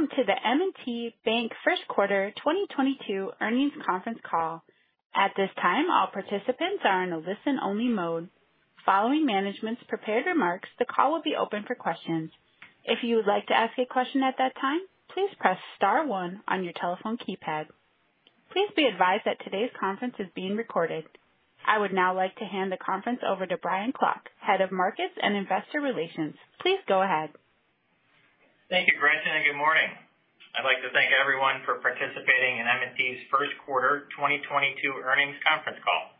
Welcome to the M&T Bank first quarter 2022 earnings conference call. At this time, all participants are in a listen-only mode. Following management's prepared remarks, the call will be open for questions. If you would like to ask a question at that time, please press star one on your telephone keypad. Please be advised that today's conference is being recorded. I would now like to hand the conference over to Brian Klock, Head of Markets and Investor Relations. Please go ahead. Thank you, Gretchen, and good morning. I'd like to thank everyone for participating in M&T's first quarter 2022 earnings conference call,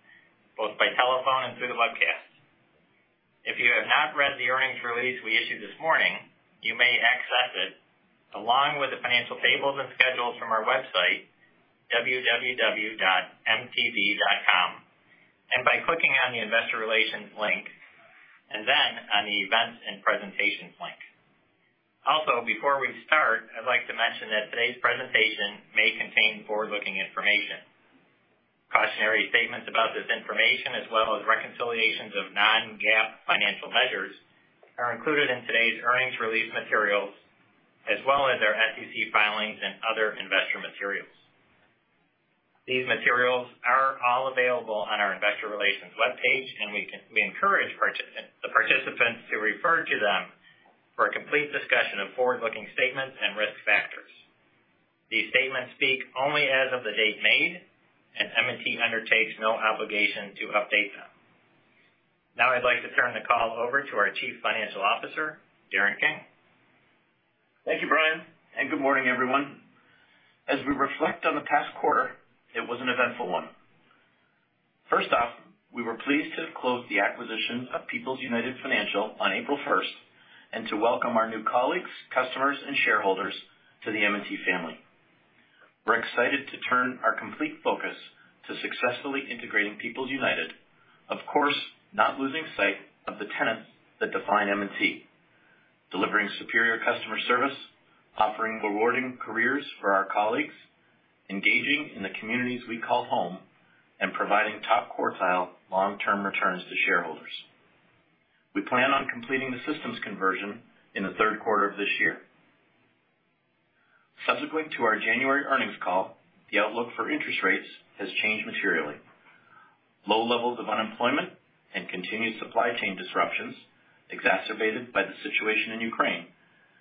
both by telephone and through the webcast. If you have not read the earnings release we issued this morning, you may access it along with the financial tables and schedules from our website www.mtb.com. By clicking on the Investor Relations link and then on the Events and Presentations link. Also, before we start, I'd like to mention that today's presentation may contain forward-looking information. Cautionary statements about this information, as well as reconciliations of non-GAAP financial measures, are included in today's earnings release materials, as well as our SEC filings and other investor materials. These materials are all available on our investor relations webpage, and we encourage the participants to refer to them for a complete discussion of forward-looking statements and risk factors. These statements speak only as of the date made, and M&T undertakes no obligation to update them. Now I'd like to turn the call over to our Chief Financial Officer, Darren King. Thank you, Brian, and good morning, everyone. As we reflect on the past quarter, it was an eventful one. First off, we were pleased to have closed the acquisition of People's United Financial on April first, and to welcome our new colleagues, customers and shareholders to the M&T family. We're excited to turn our complete focus to successfully integrating People's United, of course, not losing sight of the tenets that define M&T. Delivering superior customer service, offering rewarding careers for our colleagues, engaging in the communities we call home, and providing top-quartile long-term returns to shareholders. We plan on completing the systems conversion in the third quarter of this year. Subsequent to our January earnings call, the outlook for interest rates has changed materially. Low levels of unemployment and continued supply chain disruptions, exacerbated by the situation in Ukraine,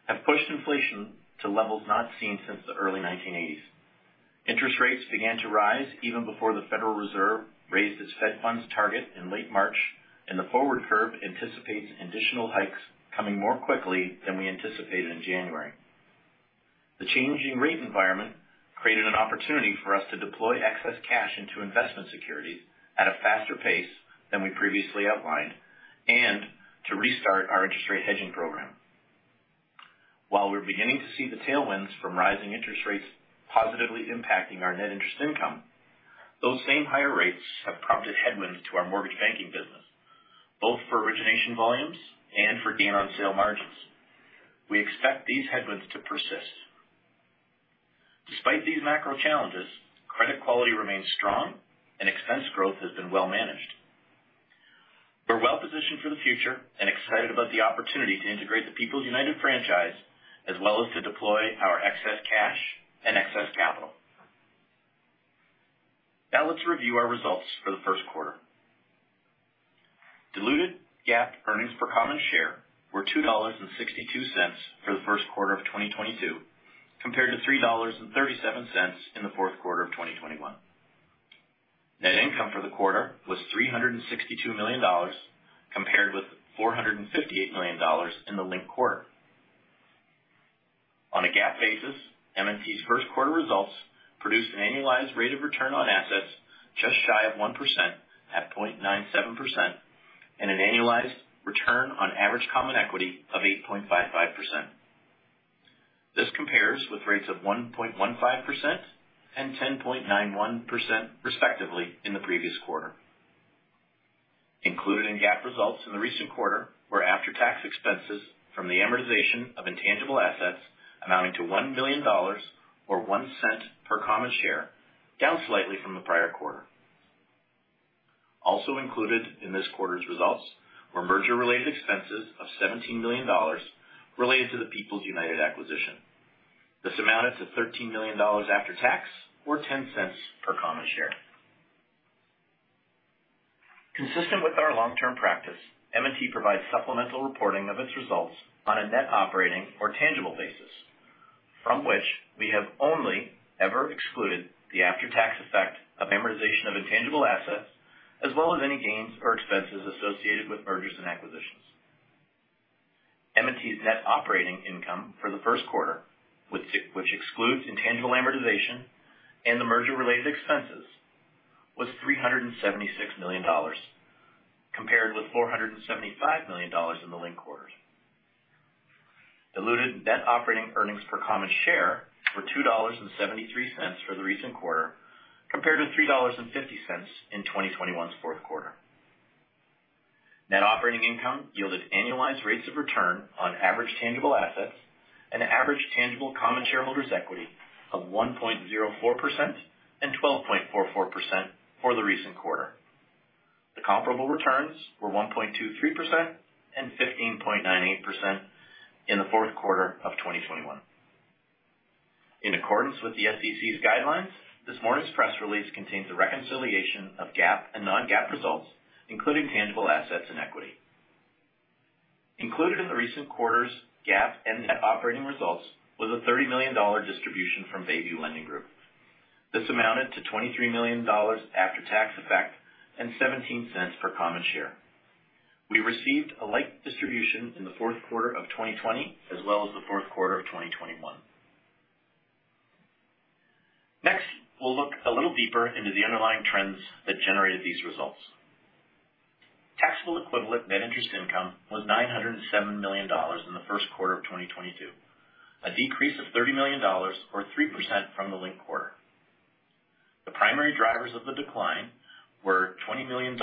have pushed inflation to levels not seen since the early 1980s. Interest rates began to rise even before the Federal Reserve raised its Fed funds target in late March, and the forward curve anticipates additional hikes coming more quickly than we anticipated in January. The changing rate environment created an opportunity for us to deploy excess cash into investment securities at a faster pace than we previously outlined and to restart our interest rate hedging program. While we're beginning to see the tailwinds from rising interest rates positively impacting our net interest income, those same higher rates have prompted headwinds to our mortgage banking business, both for origination volumes and for gain on sale margins. We expect these headwinds to persist. Despite these macro challenges, credit quality remains strong and expense growth has been well managed. We're well positioned for the future and excited about the opportunity to integrate the People's United franchise, as well as to deploy our excess cash and excess capital. Now let's review our results for the first quarter. Diluted GAAP earnings per common share were $2.62 for the first quarter of 2022, compared to $3.37 in the fourth quarter of 2021. Net income for the quarter was $362 million, compared with $458 million in the linked quarter. On a GAAP basis, M&T's first quarter results produced an annualized rate of return on assets just shy of 1%, at 0.97%, and an annualized return on average common equity of 8.55%. This compares with rates of 1.15% and 10.91%, respectively, in the previous quarter. Included in GAAP results in the recent quarter were after-tax expenses from the amortization of intangible assets amounting to $1 million or $0.01 per common share, down slightly from the prior quarter. Also included in this quarter's results were merger-related expenses of $17 million related to the People's United acquisition. This amounted to $13 million after tax, or $0.10 per common share. Consistent with our long-term practice, M&T provides supplemental reporting of its results on a net operating or tangible basis from which we have only ever excluded the after-tax effect of amortization of intangible assets, as well as any gains or expenses associated with mergers and acquisitions. M&T's net operating income for the first quarter, which excludes intangible amortization and the merger-related expenses, was $376 million, compared with $475 million in the linked quarter. Diluted net operating earnings per common share were $2.73 for the recent quarter, compared to $3.50 in 2021's fourth quarter. Net operating income yielded annualized rates of return on average tangible assets and average tangible common shareholders equity of 1.04% and 12.44% for the recent quarter. The comparable returns were 1.23% and 15.98% in the fourth quarter of 2021. In accordance with the SEC's guidelines, this morning's press release contains a reconciliation of GAAP and non-GAAP results, including tangible assets and equity. Included in the recent quarter's GAAP and net operating results was a $30 million distribution from Bayview Lending Group. This amounted to $23 million after-tax effect and $0.17 per common share. We received a like distribution in the fourth quarter of 2020, as well as the fourth quarter of 2021. Next, we'll look a little deeper into the underlying trends that generated these results. Tax-equivalent net interest income was $907 million in the first quarter of 2022, a decrease of $30 million or 3% from the linked quarter. The primary drivers of the decline were $20 million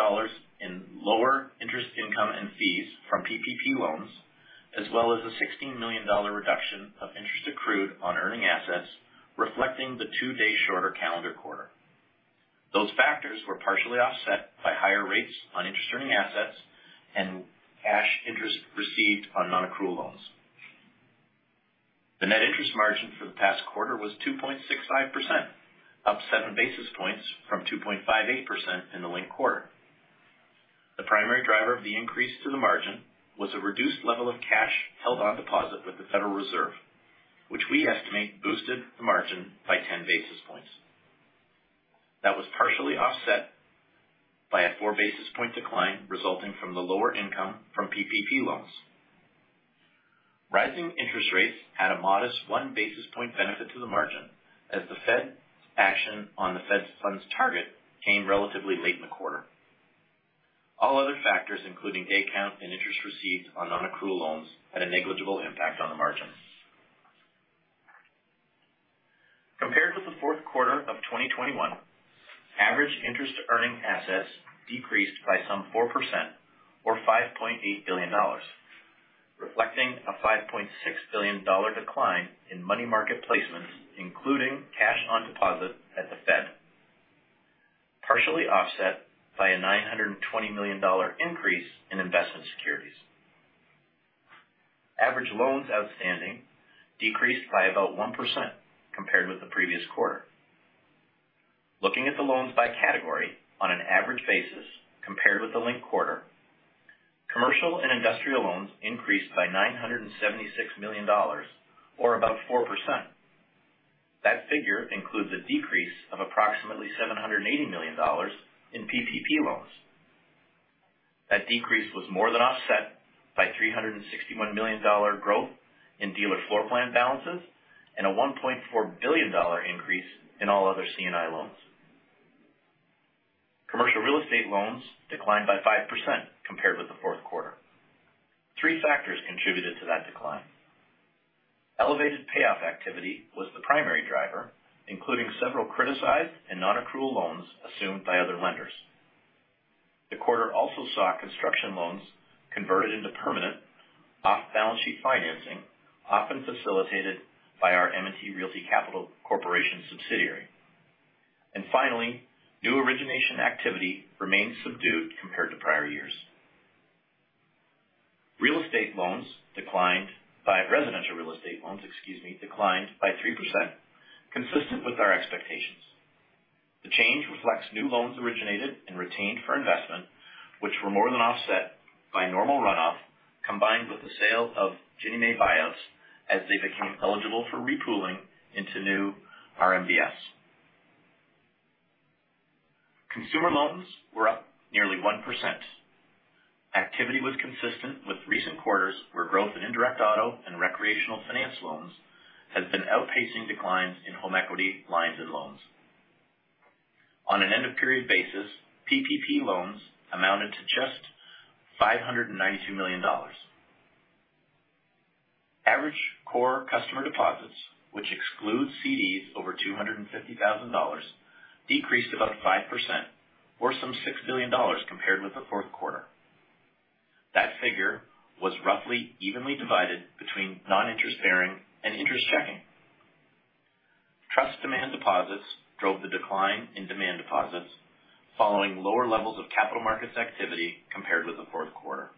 in lower interest income and fees from PPP loans, as well as a $16 million reduction of interest accrued on earning assets, reflecting the two-day shorter calendar quarter. Those factors were partially offset by higher rates on interest-earning assets and cash interest received on non-accrual loans. The net interest margin for the past quarter was 2.65%, up 7 basis points from 2.58% in the linked quarter. The primary driver of the increase to the margin was a reduced level of cash held on deposit with the Federal Reserve, which we estimate boosted the margin by 10 basis points. That was partially offset by a 4 basis point decline resulting from the lower income from PPP loans. Rising interest rates had a modest 1 basis point benefit to the margin as the Fed action on the Fed funds target came relatively late in the quarter. All other factors, including day count and interest received on non-accrual loans, had a negligible impact on the margin. Compared with the fourth quarter of 2021, average interest to earning assets decreased by some 4% or $5.8 billion, reflecting a $5.6 billion decline in money market placements, including cash on deposit at the Fed, partially offset by a $920 million increase in investment securities. Average loans outstanding decreased by about 1% compared with the previous quarter. Looking at the loans by category on an average basis compared with the linked quarter, commercial and industrial loans increased by $976 million or about 4%. That figure includes a decrease of approximately $780 million in PPP loans. That decrease was more than offset by $361 million growth in dealer floor plan balances and a $1.4 billion increase in all other C&I loans. Commercial real estate loans declined by 5% compared with the fourth quarter. Three factors contributed to that decline. Elevated payoff activity was the primary driver, including several criticized and non-accrual loans assumed by other lenders. The quarter also saw construction loans converted into permanent off-balance sheet financing, often facilitated by our M&T Realty Capital Corporation subsidiary. Finally, new origination activity remained subdued compared to prior years. Residential real estate loans, excuse me, declined by 3%, consistent with our expectations. The change reflects new loans originated and retained for investment, which were more than offset by normal runoff, combined with the sale of Ginnie Mae buyouts as they become eligible for re-pooling into new RMBS. Consumer loans were up nearly 1%. Activity was consistent with recent quarters, where growth in indirect auto and Recreational Finance loans has been outpacing declines in home equity lines and loans. On an end of period basis, PPP loans amounted to just $592 million. Average core customer deposits, which excludes CDs over $250,000, decreased about 5% or some $6 billion compared with the fourth quarter. That figure was roughly evenly divided between non-interest bearing and interest checking. Trust demand deposits drove the decline in demand deposits following lower levels of capital markets activity compared with the fourth quarter.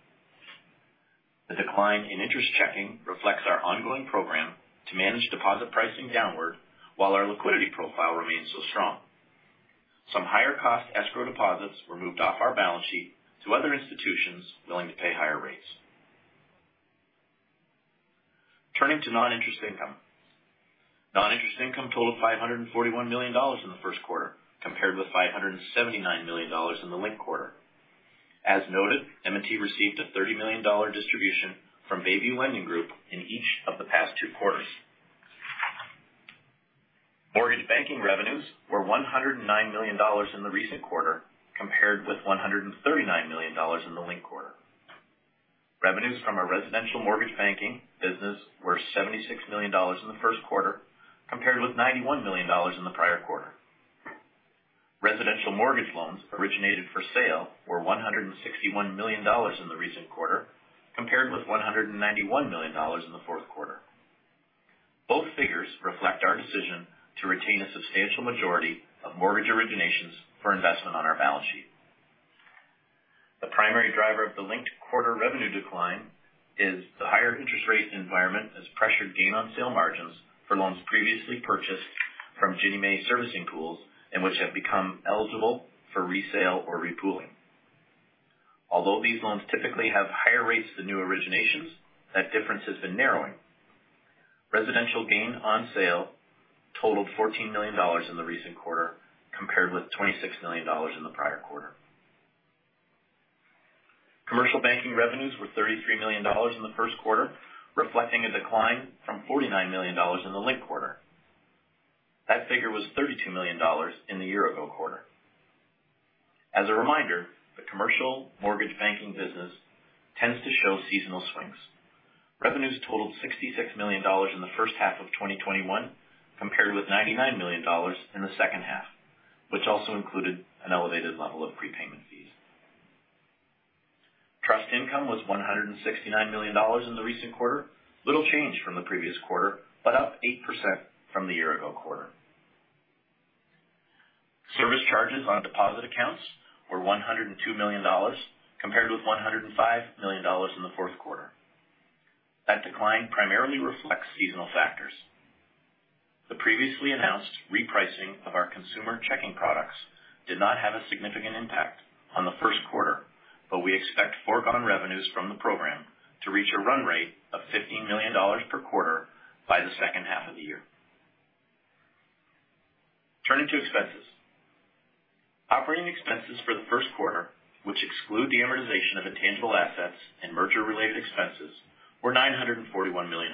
The decline in interest checking reflects our ongoing program to manage deposit pricing downward while our liquidity profile remains so strong. Some higher cost escrow deposits were moved off our balance sheet to other institutions willing to pay higher rates. Turning to non-interest income. Non-interest income totaled $541 million in the first quarter, compared with $579 million in the linked quarter. As noted, M&T received a $30 million distribution from Bayview Lending Group in each of the past two quarters. Mortgage banking revenues were $109 million in the recent quarter, compared with $139 million in the linked quarter. Revenues from our residential mortgage banking business were $76 million in the first quarter, compared with $91 million in the prior quarter. Residential mortgage loans originated for sale were $161 million in the recent quarter, compared with $191 million in the fourth quarter. Both figures reflect our decision to retain a substantial majority of mortgage originations for investment on our balance sheet. The primary driver of the linked quarter revenue decline is that the higher interest rate environment has pressured gain on sale margins for loans previously purchased from Ginnie Mae servicing pools and which have become eligible for resale or re-pooling. Although these loans typically have higher rates than new originations, that difference has been narrowing. Residential gain on sale totaled $14 million in the recent quarter, compared with $26 million in the prior quarter. Commercial banking revenues were $33 million in the first quarter, reflecting a decline from $49 million in the linked quarter. That figure was $32 million in the year ago quarter. As a reminder, the commercial mortgage banking business tends to show seasonal swings. Revenues totaled $66 million in the first half of 2021, compared with $99 million in the second half, which also included an elevated level of prepayment fees. Trust income was $169 million in the recent quarter, little change from the previous quarter, but up 8% from the year ago quarter. Service charges on deposit accounts were $102 million, compared with $105 million in the fourth quarter. That decline primarily reflects seasonal factors. The previously announced repricing of our consumer checking products did not have a significant impact on the first quarter, but we expect foregone revenues from the program to reach a run rate of $15 million per quarter by the second half of the year. Turning to expenses. Operating expenses for the first quarter, which exclude the amortization of intangible assets and merger related expenses, were $941 million.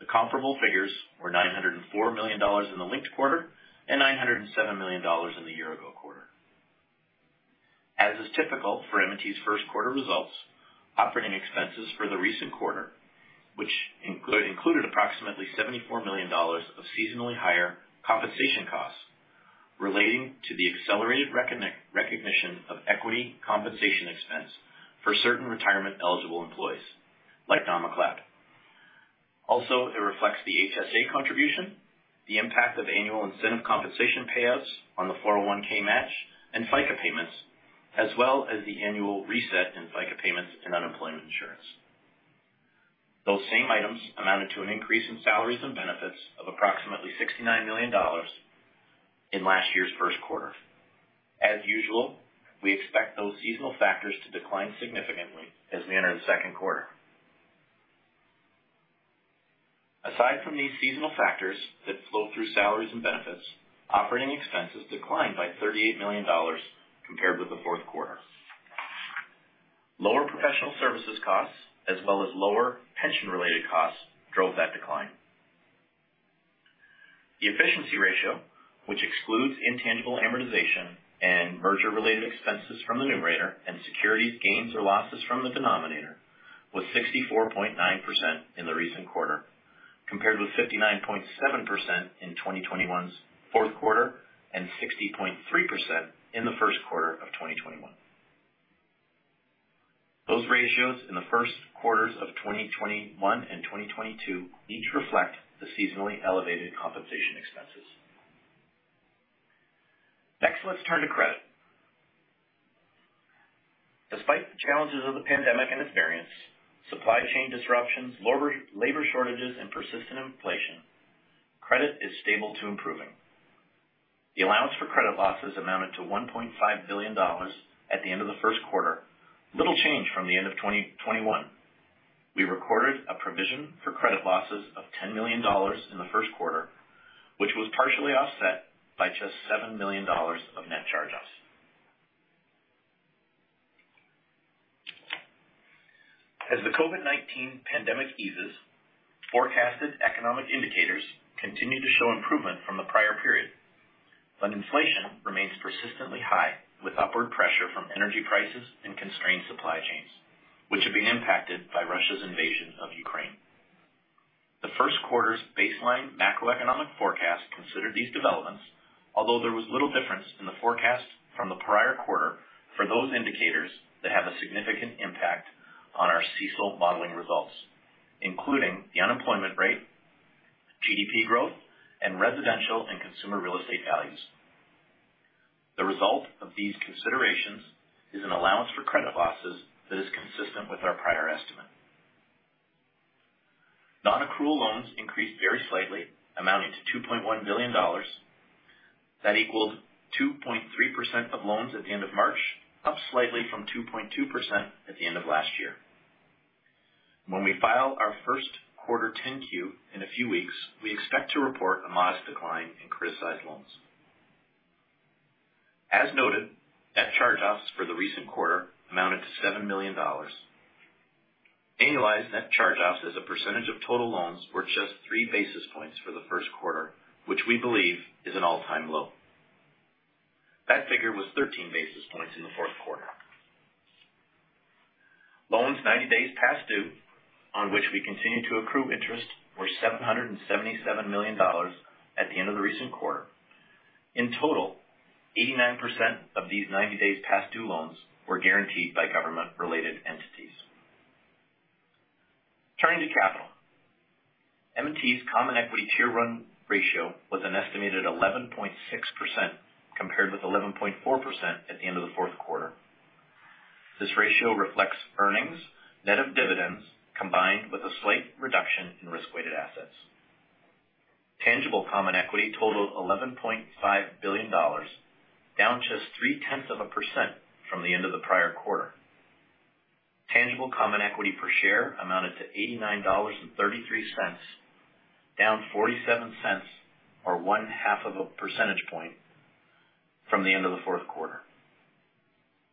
The comparable figures were $904 million in the linked quarter and $907 million in the year ago quarter. As is typical for M&T's first quarter results, operating expenses for the recent quarter, which included approximately $74 million of seasonally higher compensation costs relating to the accelerated recognition of equity compensation expense for certain retirement eligible employees like Don MacLeod. It reflects the HSA contribution, the impact of annual incentive compensation payouts on the 401 match and FICA payments, as well as the annual reset in FICA payments and unemployment insurance. Those same items amounted to an increase in salaries and benefits of approximately $69 million in last year's first quarter. As usual, we expect those seasonal factors to decline significantly as we enter the second quarter. Aside from these seasonal factors that flow through salaries and benefits, operating expenses declined by $38 million compared with the fourth quarter. Lower professional services costs as well as lower pension related costs drove that decline. The efficiency ratio, which excludes intangible amortization and merger related expenses from the numerator and securities gains or losses from the denominator, was 64.9% in the recent quarter, compared with 59.7% in 2021's fourth quarter and 60.3% in the first quarter of 2021. Those ratios in the first quarters of 2021 and 2022 each reflect the seasonally elevated compensation expenses. Next, let's turn to credit. Despite the challenges of the pandemic and its variants, supply chain disruptions, labor shortages, and persistent inflation, credit is stable to improving. The allowance for credit losses amounted to $1.5 billion at the end of the first quarter, little change from the end of 2021. We recorded a provision for credit losses of $10 million in the first quarter, which was partially offset by just $7 million of net charge-offs. As the COVID-19 pandemic eases, forecasted economic indicators continue to show improvement from the prior period. Inflation remains persistently high, with upward pressure from energy prices and constrained supply chains, which have been impacted by Russia's invasion of Ukraine. The first quarter's baseline macroeconomic forecast considered these developments, although there was little difference in the forecast from the prior quarter for those indicators that have a significant impact on our CECL modeling results, including the unemployment rate, GDP growth, and residential and consumer real estate values. The result of these considerations is an allowance for credit losses that is consistent with our prior estimate. Non-accrual loans increased very slightly, amounting to $2.1 billion. That equaled 2.3% of loans at the end of March, up slightly from 2.2% at the end of last year. When we file our first quarter 10-Q in a few weeks, we expect to report a modest decline in criticized loans. As noted, net charge-offs for the recent quarter amounted to $7 million. Annualized net charge-offs as a percentage of total loans were just 3 basis points for the first quarter, which we believe is an all-time low. That figure was 13 basis points in the fourth quarter. Loans 90 days past due, on which we continue to accrue interest, were $777 million at the end of the recent quarter. In total, 89% of these 90 days past due loans were guaranteed by government related entities. Turning to capital. M&T's common equity Tier-one ratio was an estimated 11.6% compared with 11.4% at the end of the fourth quarter. This ratio reflects earnings, net of dividends, combined with a slight reduction in risk-weighted assets. Tangible common equity totaled $11.5 billion, down just 0.3% from the end of the prior quarter. Tangible common equity per share amounted to $89.33, down $0.47 or 0.5 percentage point from the end of the fourth quarter.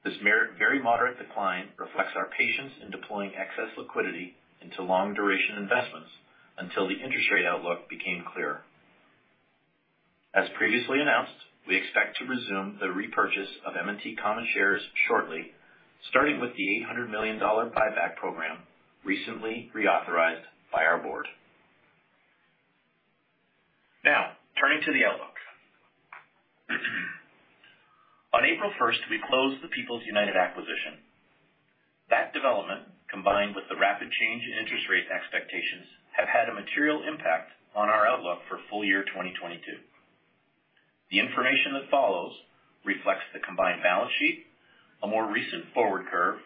This very moderate decline reflects our patience in deploying excess liquidity into long duration investments until the interest rate outlook became clearer. As previously announced, we expect to resume the repurchase of M&T common shares shortly, starting with the $800 million buyback program recently reauthorized by our Board. Now, turning to the outlook. On April 1st, we closed the People's United acquisition. That development, combined with the rapid change in interest rate expectations, have had a material impact on our outlook for full year 2022. The information that follows reflects the combined balance sheet, a more recent forward curve,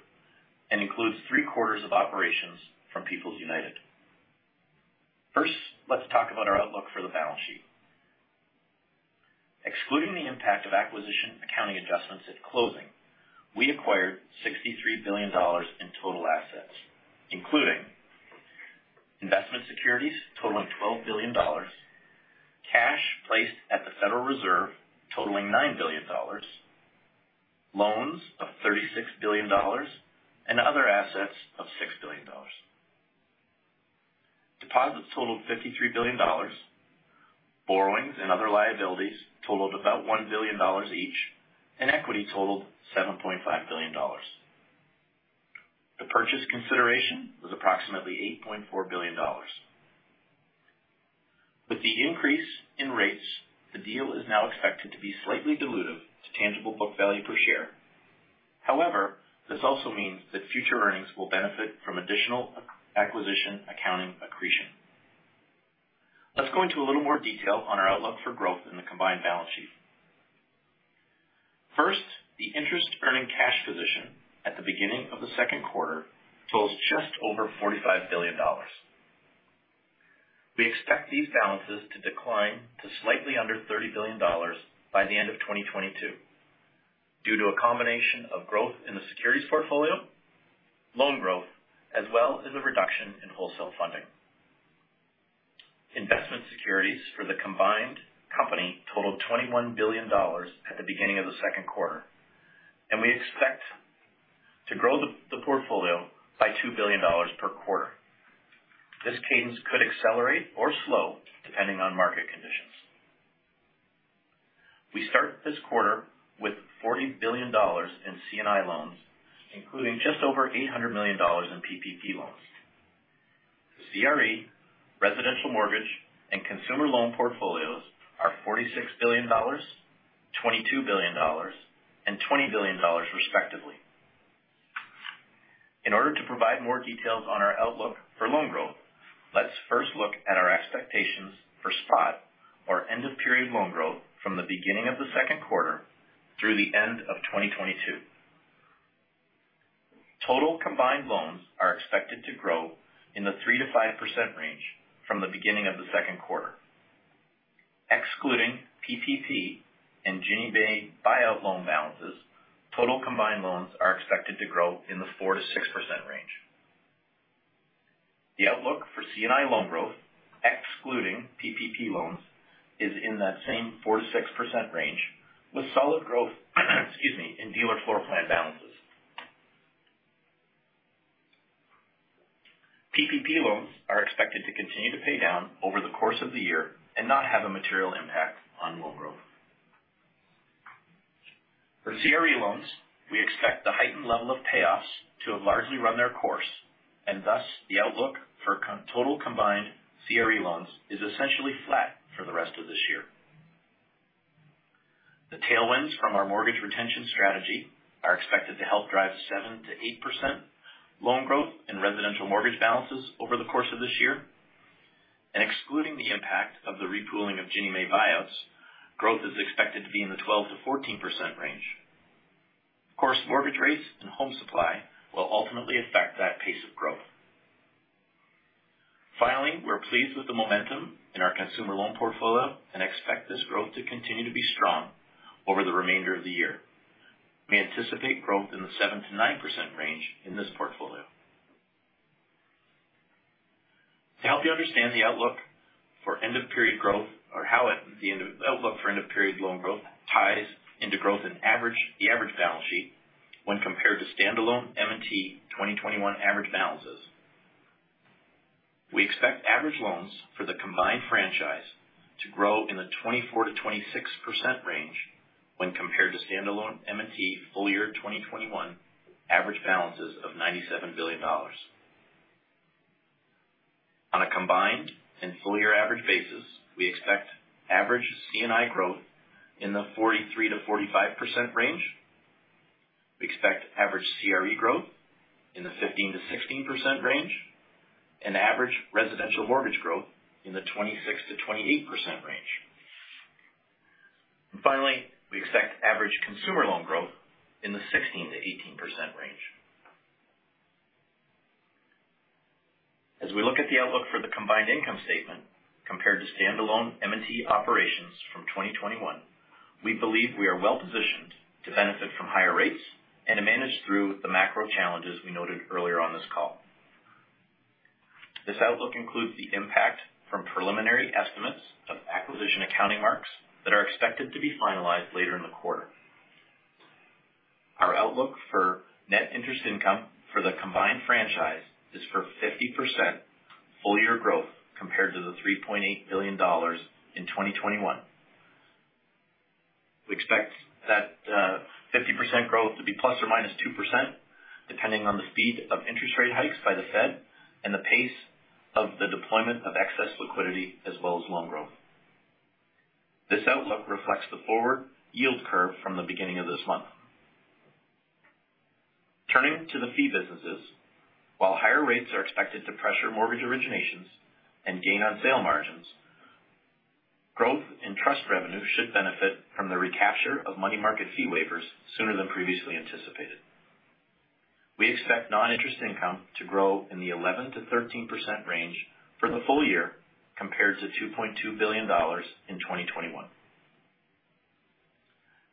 and includes three-quarters of operations from People's United. First, let's talk about our outlook for the balance sheet. Excluding the impact of acquisition accounting adjustments at closing, we acquired $63 billion in total assets, including investment securities totaling $12 billion, cash placed at the Federal Reserve totaling $9 billion, loans of $36 billion, and other assets of $6 billion. Deposits totaled $53 billion, borrowings and other liabilities totaled about $1 billion each, and equity totaled $7.5 billion. The purchase consideration was approximately $8.4 billion. With the increase in rates, the deal is now expected to be slightly dilutive to tangible book value per share. However, this also means that future earnings will benefit from additional acquisition accounting accretion. Let's go into a little more detail on our outlook for growth in the combined balance sheet. First, the interest earning cash position at the beginning of the second quarter totals just over $45 billion. We expect these balances to decline to slightly under $30 billion by the end of 2022 due to a combination of growth in the securities portfolio, loan growth, as well as a reduction in wholesale funding. Investment securities for the combined company totaled $21 billion at the beginning of the second quarter, and we expect to grow the portfolio by $2 billion per quarter. This cadence could accelerate or slow depending on market conditions. We start this quarter with $40 billion in C&I loans, including just over $800 million in PPP loans. The CRE, residential mortgage, and consumer loan portfolios are $46 billion, $22 billion, and $20 billion respectively. In order to provide more details on our outlook for loan growth, let's first look at our expectations for spot or end of period loan growth from the beginning of the second quarter through the end of 2022. Total combined loans are expected to grow in the 3%-5% range from the beginning of the second quarter. Excluding PPP and Ginnie Mae buyout loan balances, total combined loans are expected to grow in the 4%-6% range. The outlook for C&I loan growth, excluding PPP loans, is in that same 4%-6% range with solid growth excuse me, in dealer floor plan balances. PPP loans are expected to continue to pay down over the course of the year and not have a material impact on loan growth. For CRE loans, we expect the heightened level of payoffs to have largely run their course, and thus the outlook for total combined CRE loans is essentially flat for the rest of this year. The tailwinds from our mortgage retention strategy are expected to help drive 7%-8% loan growth in residential mortgage balances over the course of this year. Excluding the impact of the repooling of Ginnie Mae buyouts, growth is expected to be in the 12%-14% range. Of course, mortgage rates and home supply will ultimately affect that pace of growth. Finally, we're pleased with the momentum in our consumer loan portfolio and expect this growth to continue to be strong over the remainder of the year. We anticipate growth in the 7%-9% range in this portfolio. To help you understand the outlook for end of period growth or how the outlook for end of period loan growth ties into growth in the average balance sheet when compared to standalone M&T 2021 average balances. We expect average loans for the combined franchise to grow in the 24%-26% range when compared to standalone M&T full year 2021 average balances of $97 billion. On a combined and full year average basis, we expect average C&I growth in the 43%-45% range. We expect average CRE growth in the 15%-16% range and average residential mortgage growth in the 26%-28% range. Finally, we expect average consumer loan growth in the 16%-18% range. As we look at the outlook for the combined income statement compared to standalone M&T operations from 2021, we believe we are well-positioned to benefit from higher rates and to manage through the macro challenges we noted earlier on this call. This outlook includes the impact from preliminary estimates of acquisition accounting marks that are expected to be finalized later in the quarter. Our outlook for net interest income for the combined franchise is for 50% full year growth compared to the $3.8 billion in 2021. We expect that 50% growth to be ±2% depending on the speed of interest rate hikes by the Fed and the pace of the deployment of excess liquidity as well as loan growth. This outlook reflects the forward yield curve from the beginning of this month. Turning to the fee businesses. While higher rates are expected to pressure mortgage originations and gain on sale margins, growth in trust revenue should benefit from the recapture of money market fee waivers sooner than previously anticipated. We expect non-interest income to grow in the 11%-13% range for the full year compared to $2.2 billion in 2021.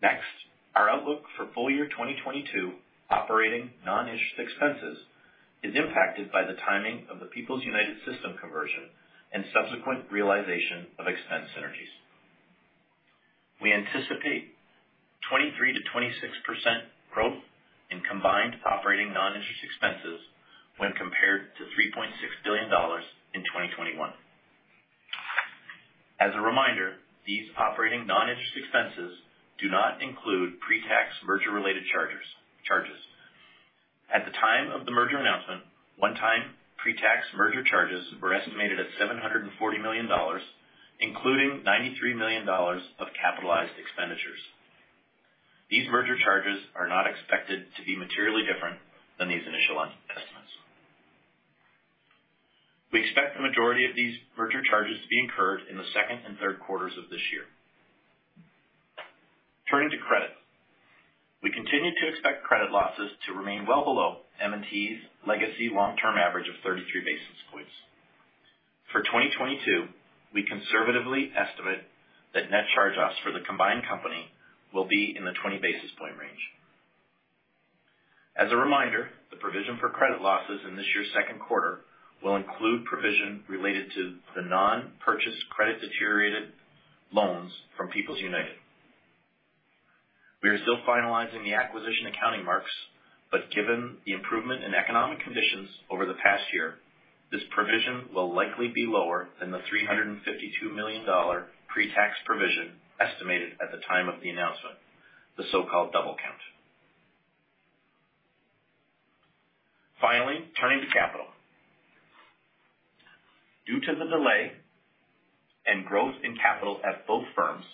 Next, our outlook for full year 2022 operating non-interest expenses is impacted by the timing of the People's United system conversion and subsequent realization of expense synergies. We anticipate 23%-26% growth in combined operating non-interest expenses when compared to $3.6 billion in 2021. As a reminder, these operating non-interest expenses do not include pre-tax merger related charges. At the time of the merger announcement, one-time pre-tax merger charges were estimated at $740 million, including $93 million of capitalized expenditures. These merger charges are not expected to be materially different than these initial estimates. We expect the majority of these merger charges to be incurred in the second and third quarters of this year. Turning to credit. We continue to expect credit losses to remain well below M&T's legacy long-term average of 33 basis points. For 2022, we conservatively estimate that net charge-offs for the combined company will be in the 20 basis point range. As a reminder, the provision for credit losses in this year's second quarter will include provision related to the non-purchase credit deteriorated loans from People's United. We are still finalizing the acquisition accounting marks, but given the improvement in economic conditions over the past year, this provision will likely be lower than the $352 million pre-tax provision estimated at the time of the announcement, the so-called double count. Finally, turning to capital. Due to the delay and growth in capital at both firms,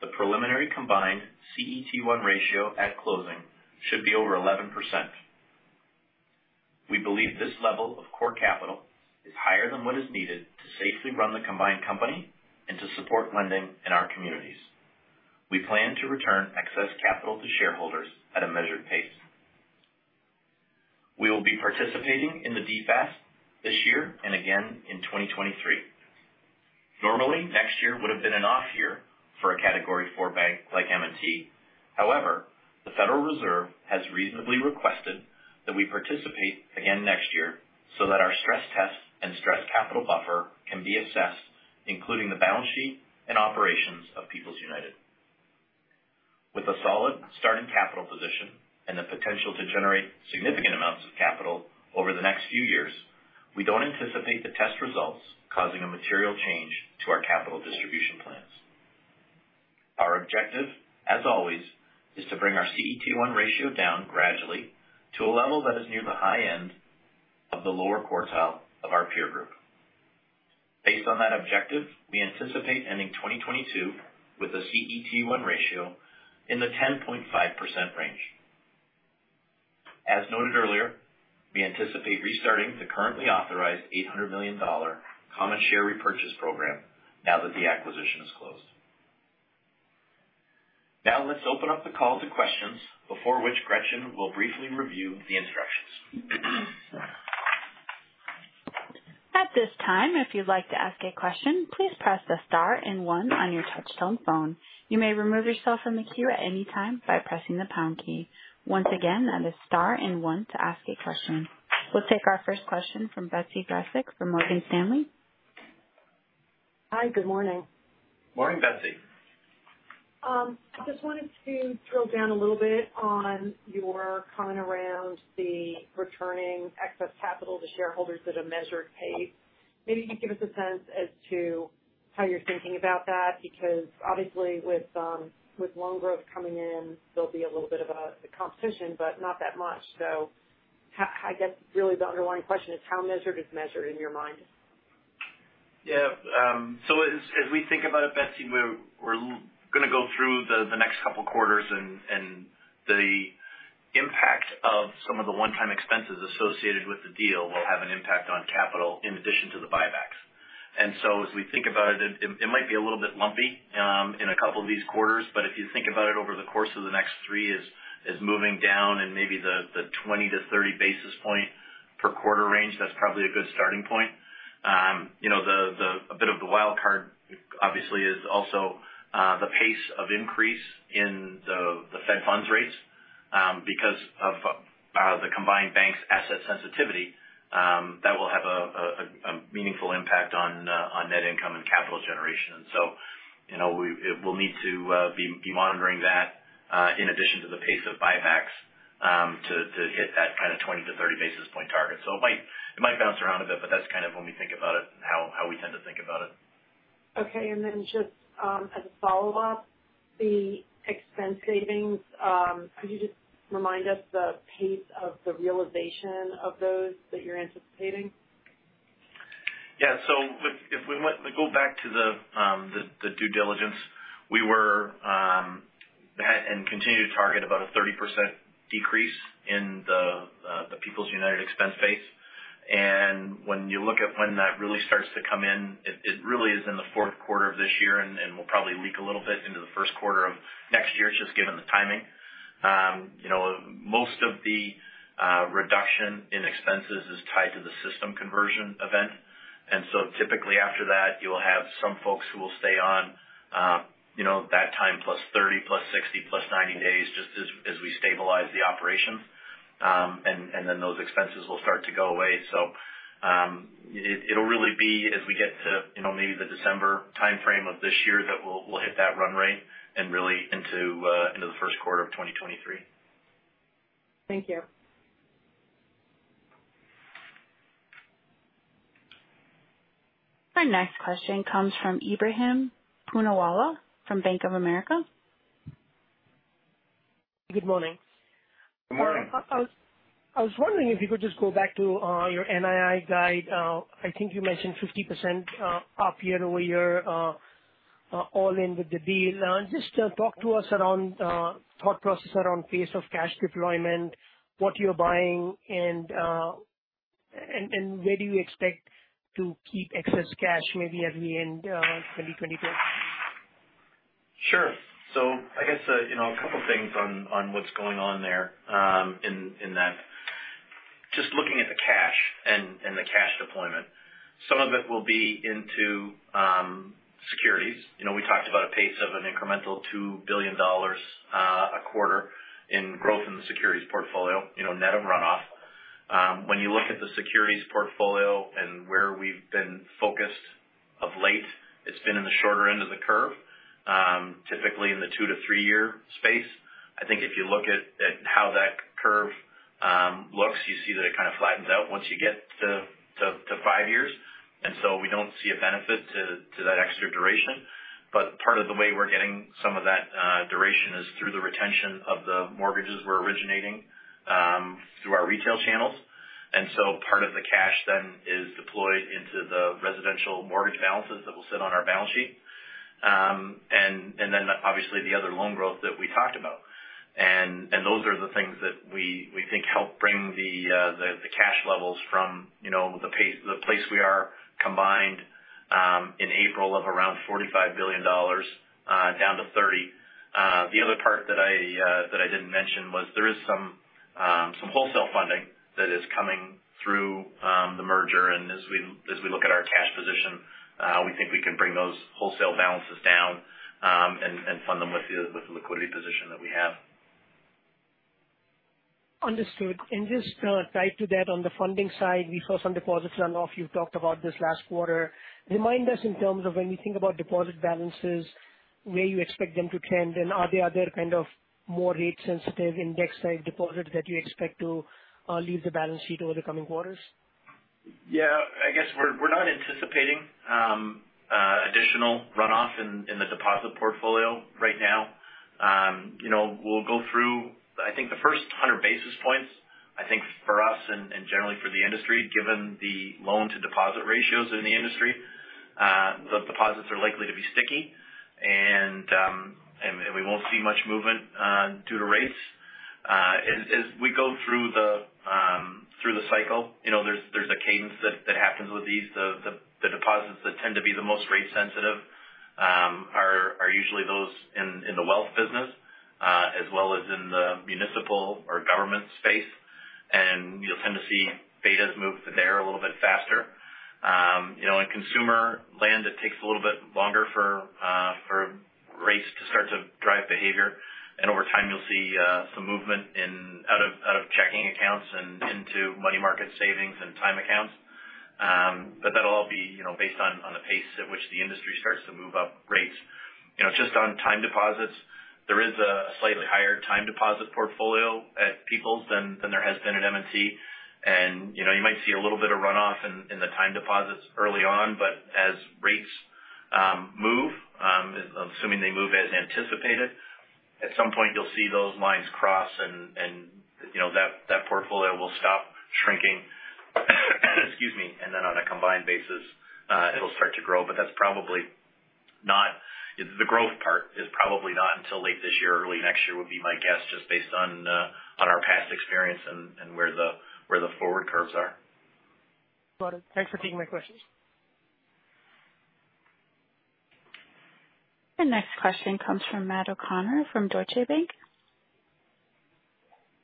the preliminary combined CET1 ratio at closing should be over 11%. We believe this level of core capital is higher than what is needed to safely run the combined company and to support lending in our communities. We plan to return excess capital to shareholders at a measured pace. We will be participating in the DFAST this year and again in 2023. Normally, next year would have been an off year for a category four bank like M&T. However, the Federal Reserve has reasonably requested that we participate again next year so that our stress test and stress capital buffer can be assessed, including the balance sheet and operations of People's United. With a solid starting capital position and the potential to generate significant amounts of capital over the next few years, we don't anticipate the test results causing a material change to our capital distribution plans. Our objective, as always, is to bring our CET1 ratio down gradually to a level that is near the high end of the lower quartile of our peer group. Based on that objective, we anticipate ending 2022 with a CET1 ratio in the 10.5% range. As noted earlier, we anticipate restarting the currently authorized $800 million common share repurchase program now that the acquisition is closed. Now let's open up the call to questions, before which Gretchen will briefly review the instructions. We'll take our first question from Betsy Graseck from Morgan Stanley. Hi. Good morning. Morning, Betsy. I just wanted to drill down a little bit on your comment around the returning excess capital to shareholders at a measured pace. Maybe you could give us a sense as to how you're thinking about that? Because obviously with loan growth coming in, there'll be a little bit of a competition, but not that much. I guess, really the underlying question is how measured is measured in your mind? Yeah. So as we think about it, Betsy, we're gonna go through the next couple quarters and the impact of some of the one-time expenses associated with the deal will have an impact on capital in addition to the buybacks. As we think about it might be a little bit lumpy in a couple of these quarters, but if you think about it over the course of the next three as moving down and maybe the 20 basis points-30 basis points per quarter range, that's probably a good starting point. You know, a bit of the wild card obviously is also the pace of increase in the Fed funds rates, because of the combined banks asset sensitivity, that will have a meaningful impact on net income and capital generation. It will need to be monitoring that in addition to the pace of buybacks to hit that kind of 20 basis points-30 basis points target. It might bounce around a bit, but that's kind of when we think about it, how we tend to think about it. Okay. Just as a follow-up, the expense savings, can you just remind us the pace of the realization of those that you're anticipating? Yeah. If we go back to the due diligence, we had and continue to target about a 30% decrease in the People's United expense base. When you look at when that really starts to come in, it really is in the fourth quarter of this year and will probably leak a little bit into the first quarter of next year, just given the timing. You know, most of the reduction in expenses is tied to the system conversion event. Typically after that, you'll have some folks who will stay on, you know, that time +30, +60, +90 days just as we stabilize the operations. Then those expenses will start to go away. It'll really be as we get to, you know, maybe the December timeframe of this year that we'll hit that run rate and really into the first quarter of 2023. Thank you. My next question comes from Ebrahim Poonawala from Bank of America. Good morning. Good morning. I was wondering if you could just go back to your NII guide. I think you mentioned 50% up year-over-year all in with the deal. Just talk to us about the thought process around the pace of cash deployment, what you're buying, and where do you expect to keep excess cash maybe at the end of 2024? Sure. I guess, you know, a couple things on what's going on there in that. Just looking at the cash and the cash deployment, some of it will be into securities. You know, we talked about a pace of an incremental $2 billion a quarter in growth in the securities portfolio, you know, net of runoff. When you look at the securities portfolio and where we've been focused of late, it's been in the shorter end of the curve, typically in the two-three-year space. I think if you look at how that curve looks, you see that it kind of flattens out once you get to five years. We don't see a benefit to that extra duration. Part of the way we're getting some of that duration is through the retention of the mortgages we're originating through our retail channels. Part of the cash then is deployed into the residential mortgage balances that will sit on our balance sheet. Obviously the other loan growth that we talked about. Those are the things that we think help bring the cash levels from, you know, the place we are combined in April of around $45 billion down to $30. The other part that I didn't mention was there is some wholesale funding that is coming through the merger. As we look at our cash position, we think we can bring those wholesale balances down, and fund them with the liquidity position that we have. Understood. Just, tied to that on the funding side, we saw some deposits runoff you've talked about this last quarter. Remind us in terms of when you think about deposit balances, where you expect them to trend, and are they other kind of more rate sensitive index type deposits that you expect to leave the balance sheet over the coming quarters? Yeah. I guess we're not anticipating additional runoff in the deposit portfolio right now. You know, we'll go through, I think the first 100 basis points, I think for us and generally for the industry, given the loan to deposit ratios in the industry, the deposits are likely to be sticky and we won't see much movement due to rates. As we go through the cycle, you know, there's a cadence that happens with these. The deposits that tend to be the most rate sensitive are usually those in the wealth business as well as in the municipal or government space. You'll tend to see betas move there a little bit faster. You know, in consumer land, it takes a little bit longer for rates to start to drive behavior. Over time, you'll see some movement out of checking accounts and into money market savings and time accounts. But that'll all be based on the pace at which the industry starts to move up. You know, just on time deposits, there is a slightly higher time deposit portfolio at People's than there has been at M&T. You know, you might see a little bit of runoff in the time deposits early on, but as rates move, assuming they move as anticipated, at some point you'll see those lines cross and that portfolio will stop shrinking. Excuse me. Then on a combined basis, it'll start to grow. The growth part is probably not until late this year or early next year, would be my guess, just based on our past experience and where the forward curves are. Got it. Thanks for taking my questions. The next question comes from Matthew O'Connor from Deutsche Bank.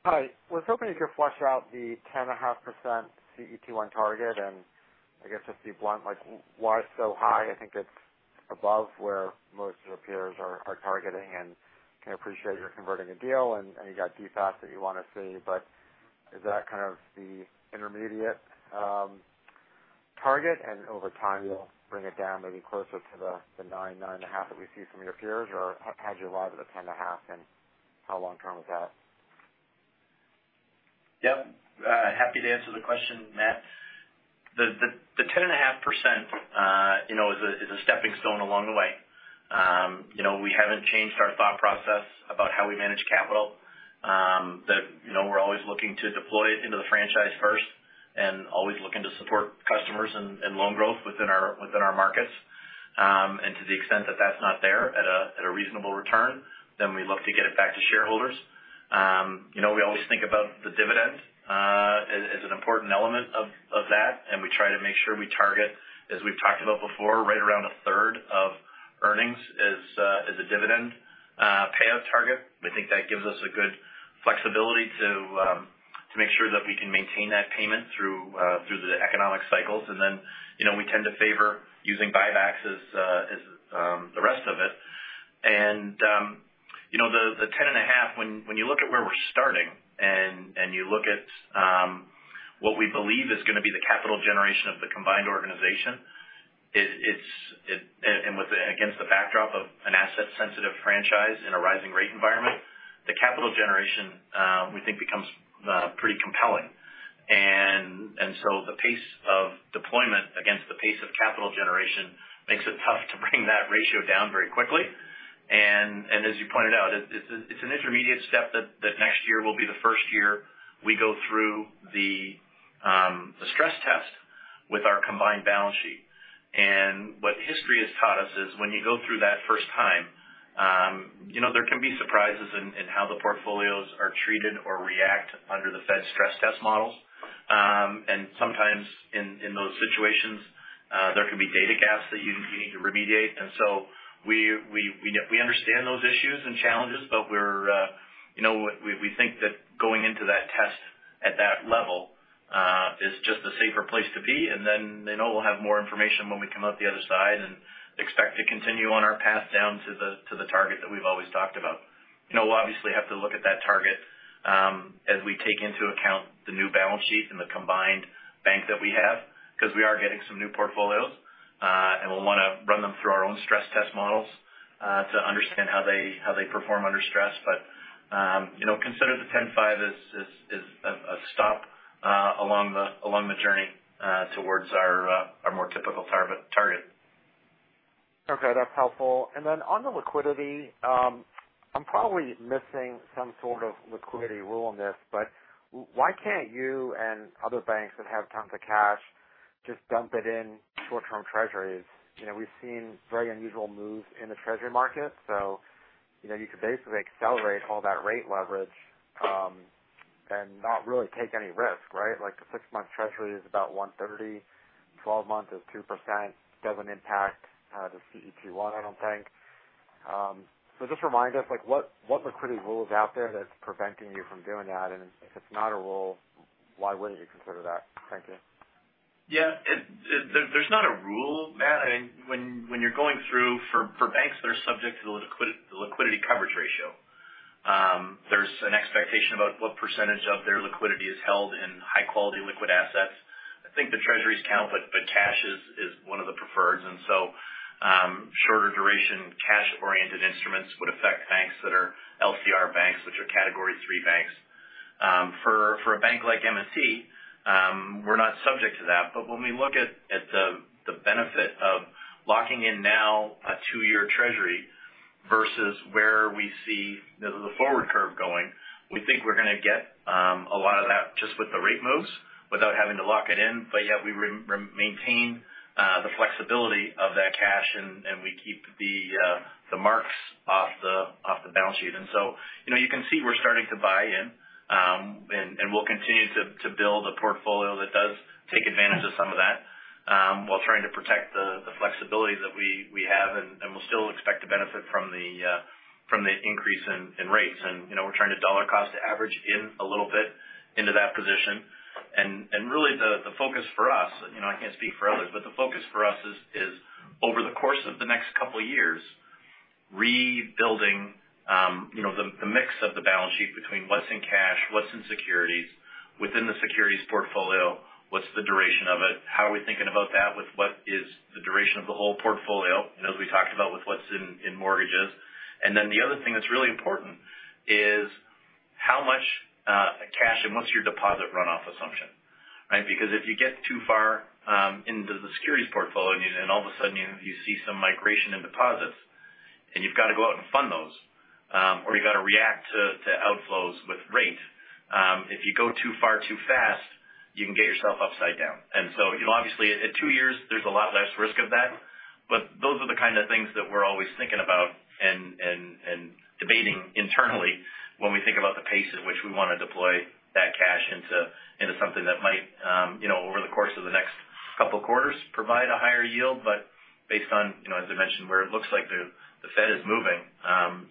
Hi. I was hoping you could flesh out the 10.5% CET1 target and I guess just be blunt, like, why so high? I think it's above where most of your peers are targeting. I appreciate you're converting a deal and you got DFAST that you want to see. Is that kind of the intermediate target? Over time you'll bring it down maybe closer to the 9%-9.5% that we see from your peers? How'd you arrive at a 10.5%, and how long term is that? Yep. Happy to answer the question, Matt. The 10.5%, you know, is a stepping stone along the way. You know, we haven't changed our thought process about how we manage capital, that you know, we're always looking to deploy it into the franchise first and always looking to support customers and loan growth within our markets. To the extent that that's not there at a reasonable return, then we look to get it back to shareholders. You know, we always think about the dividend as an important element of that, and we try to make sure we target, as we've talked about before, right around a third of earnings as a dividend payout target. We think that gives us a good flexibility to make sure that we can maintain that payment through the economic cycles. You know, we tend to favor using buybacks as the rest of it. You know, the 10.5 when you look at where we're starting and you look at what we believe is going to be the capital generation of the combined organization. It is, and against the backdrop of an asset sensitive franchise in a rising rate environment, the capital generation we think becomes pretty compelling. The pace of deployment against the pace of capital generation makes it tough to bring that ratio down very quickly. As you pointed out, it's an intermediate step that next year will be the first year we go through the stress test with our combined balance sheet. What history has taught us is when you go through that first time, you know, there can be surprises in how the portfolios are treated or react under the Fed's stress test models. Sometimes in those situations, there can be data gaps that you need to remediate. We understand those issues and challenges, but we're, you know, we think that going into that test at that level is just a safer place to be. I know we'll have more information when we come out the other side and expect to continue on our path down to the target that we've always talked about. You know, we'll obviously have to look at that target, as we take into account the new balance sheet and the combined bank that we have, because we are getting some new portfolios, and we'll want to run them through our own stress test models, to understand how they perform under stress. But, you know, consider the 10-five as a stop, along the journey, towards our more typical target. Okay. That's helpful. On the liquidity, I'm probably missing some sort of liquidity rule on this, but why can't you and other banks that have tons of cash just dump it in short-term Treasuries? You know, we've seen very unusual moves in the Treasury market, so, you know, you could basically accelerate all that rate leverage, and not really take any risk, right? Like the six-month Treasury is about 1.30, 12 months is 2%. Doesn't impact the CET1, I don't think. Just remind us, like what liquidity rule is out there that's preventing you from doing that? If it's not a rule, why wouldn't you consider that? Thank you. Yeah. There's not a rule, Matt. I mean, when you're going through for banks that are subject to the liquidity coverage ratio, there's an expectation about what percentage of their liquidity is held in high quality liquid assets. I think the treasuries count, but cash is one of the preferred. Shorter duration cash-oriented instruments would affect banks that are LCR banks, which are Category three banks. For a bank like M&T, we're not subject to that. But when we look at the benefit of locking in now a two-year treasury versus where we see the forward curve going, we think we're going to get a lot of that just with the rate moves without having to lock it in. We maintain the flexibility of that cash and we keep the marks off the balance sheet. You know, you can see we're starting to buy in, and we'll continue to build a portfolio that does take advantage of some of that, while trying to protect the flexibility that we have. We'll still expect to benefit from the increase in rates. You know, we're trying to dollar cost average in a little bit into that position. Really the focus for us, you know, I can't speak for others, but the focus for us is over the course of the next couple of years rebuilding. You know, the mix of the balance sheet between what's in cash, what's in securities. Within the securities portfolio, what's the duration of it? How are we thinking about that with what is the duration of the whole portfolio? You know, as we talked about with what's in mortgages. The other thing that's really important is how much cash and what's your deposit runoff assumption, right? Because if you get too far into the securities portfolio and all of a sudden you see some migration in deposits, then you've got to go out and fund those or you've got to react to outflows with rate. If you go too far too fast, you can get yourself upside down. You know, obviously at two years, there's a lot less risk of that. Those are the kind of things that we're always thinking about and debating internally when we think about the pace at which we want to deploy that cash into something that might, you know, over the course of the next couple quarters, provide a higher yield. Based on, you know, as I mentioned, where it looks like the Fed is moving,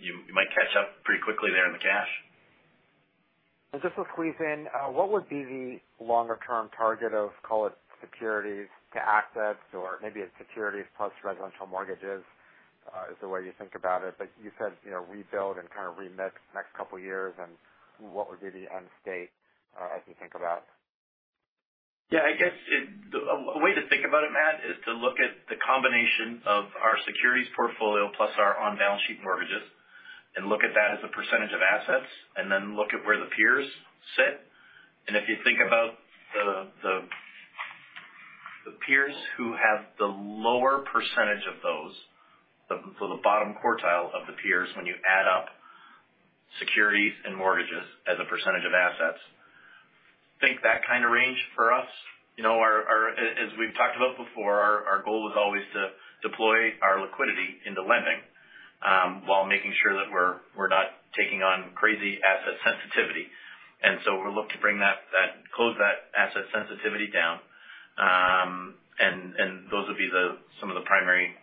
you might catch up pretty quickly there in the cash. Just to squeeze in, what would be the longer term target of, call it securities to assets or maybe it's securities plus residential mortgages, is the way you think about it. You said, you know, rebuild and kind of remix the next couple of years and what would be the end state, as you think about? Yeah, I guess it, a way to think about it, Matt, is to look at the combination of our securities portfolio plus our on balance sheet mortgages and look at that as a percentage of assets and then look at where the peers sit. If you think about the peers who have the lower percentage of those, so the bottom quartile of the peers when you add up securities and mortgages as a percentage of assets. Think that kind of range for us. You know, as we've talked about before, our goal is always to deploy our liquidity into lending while making sure that we're not taking on crazy asset sensitivity. We look to bring that asset sensitivity down. Those would be some of the primary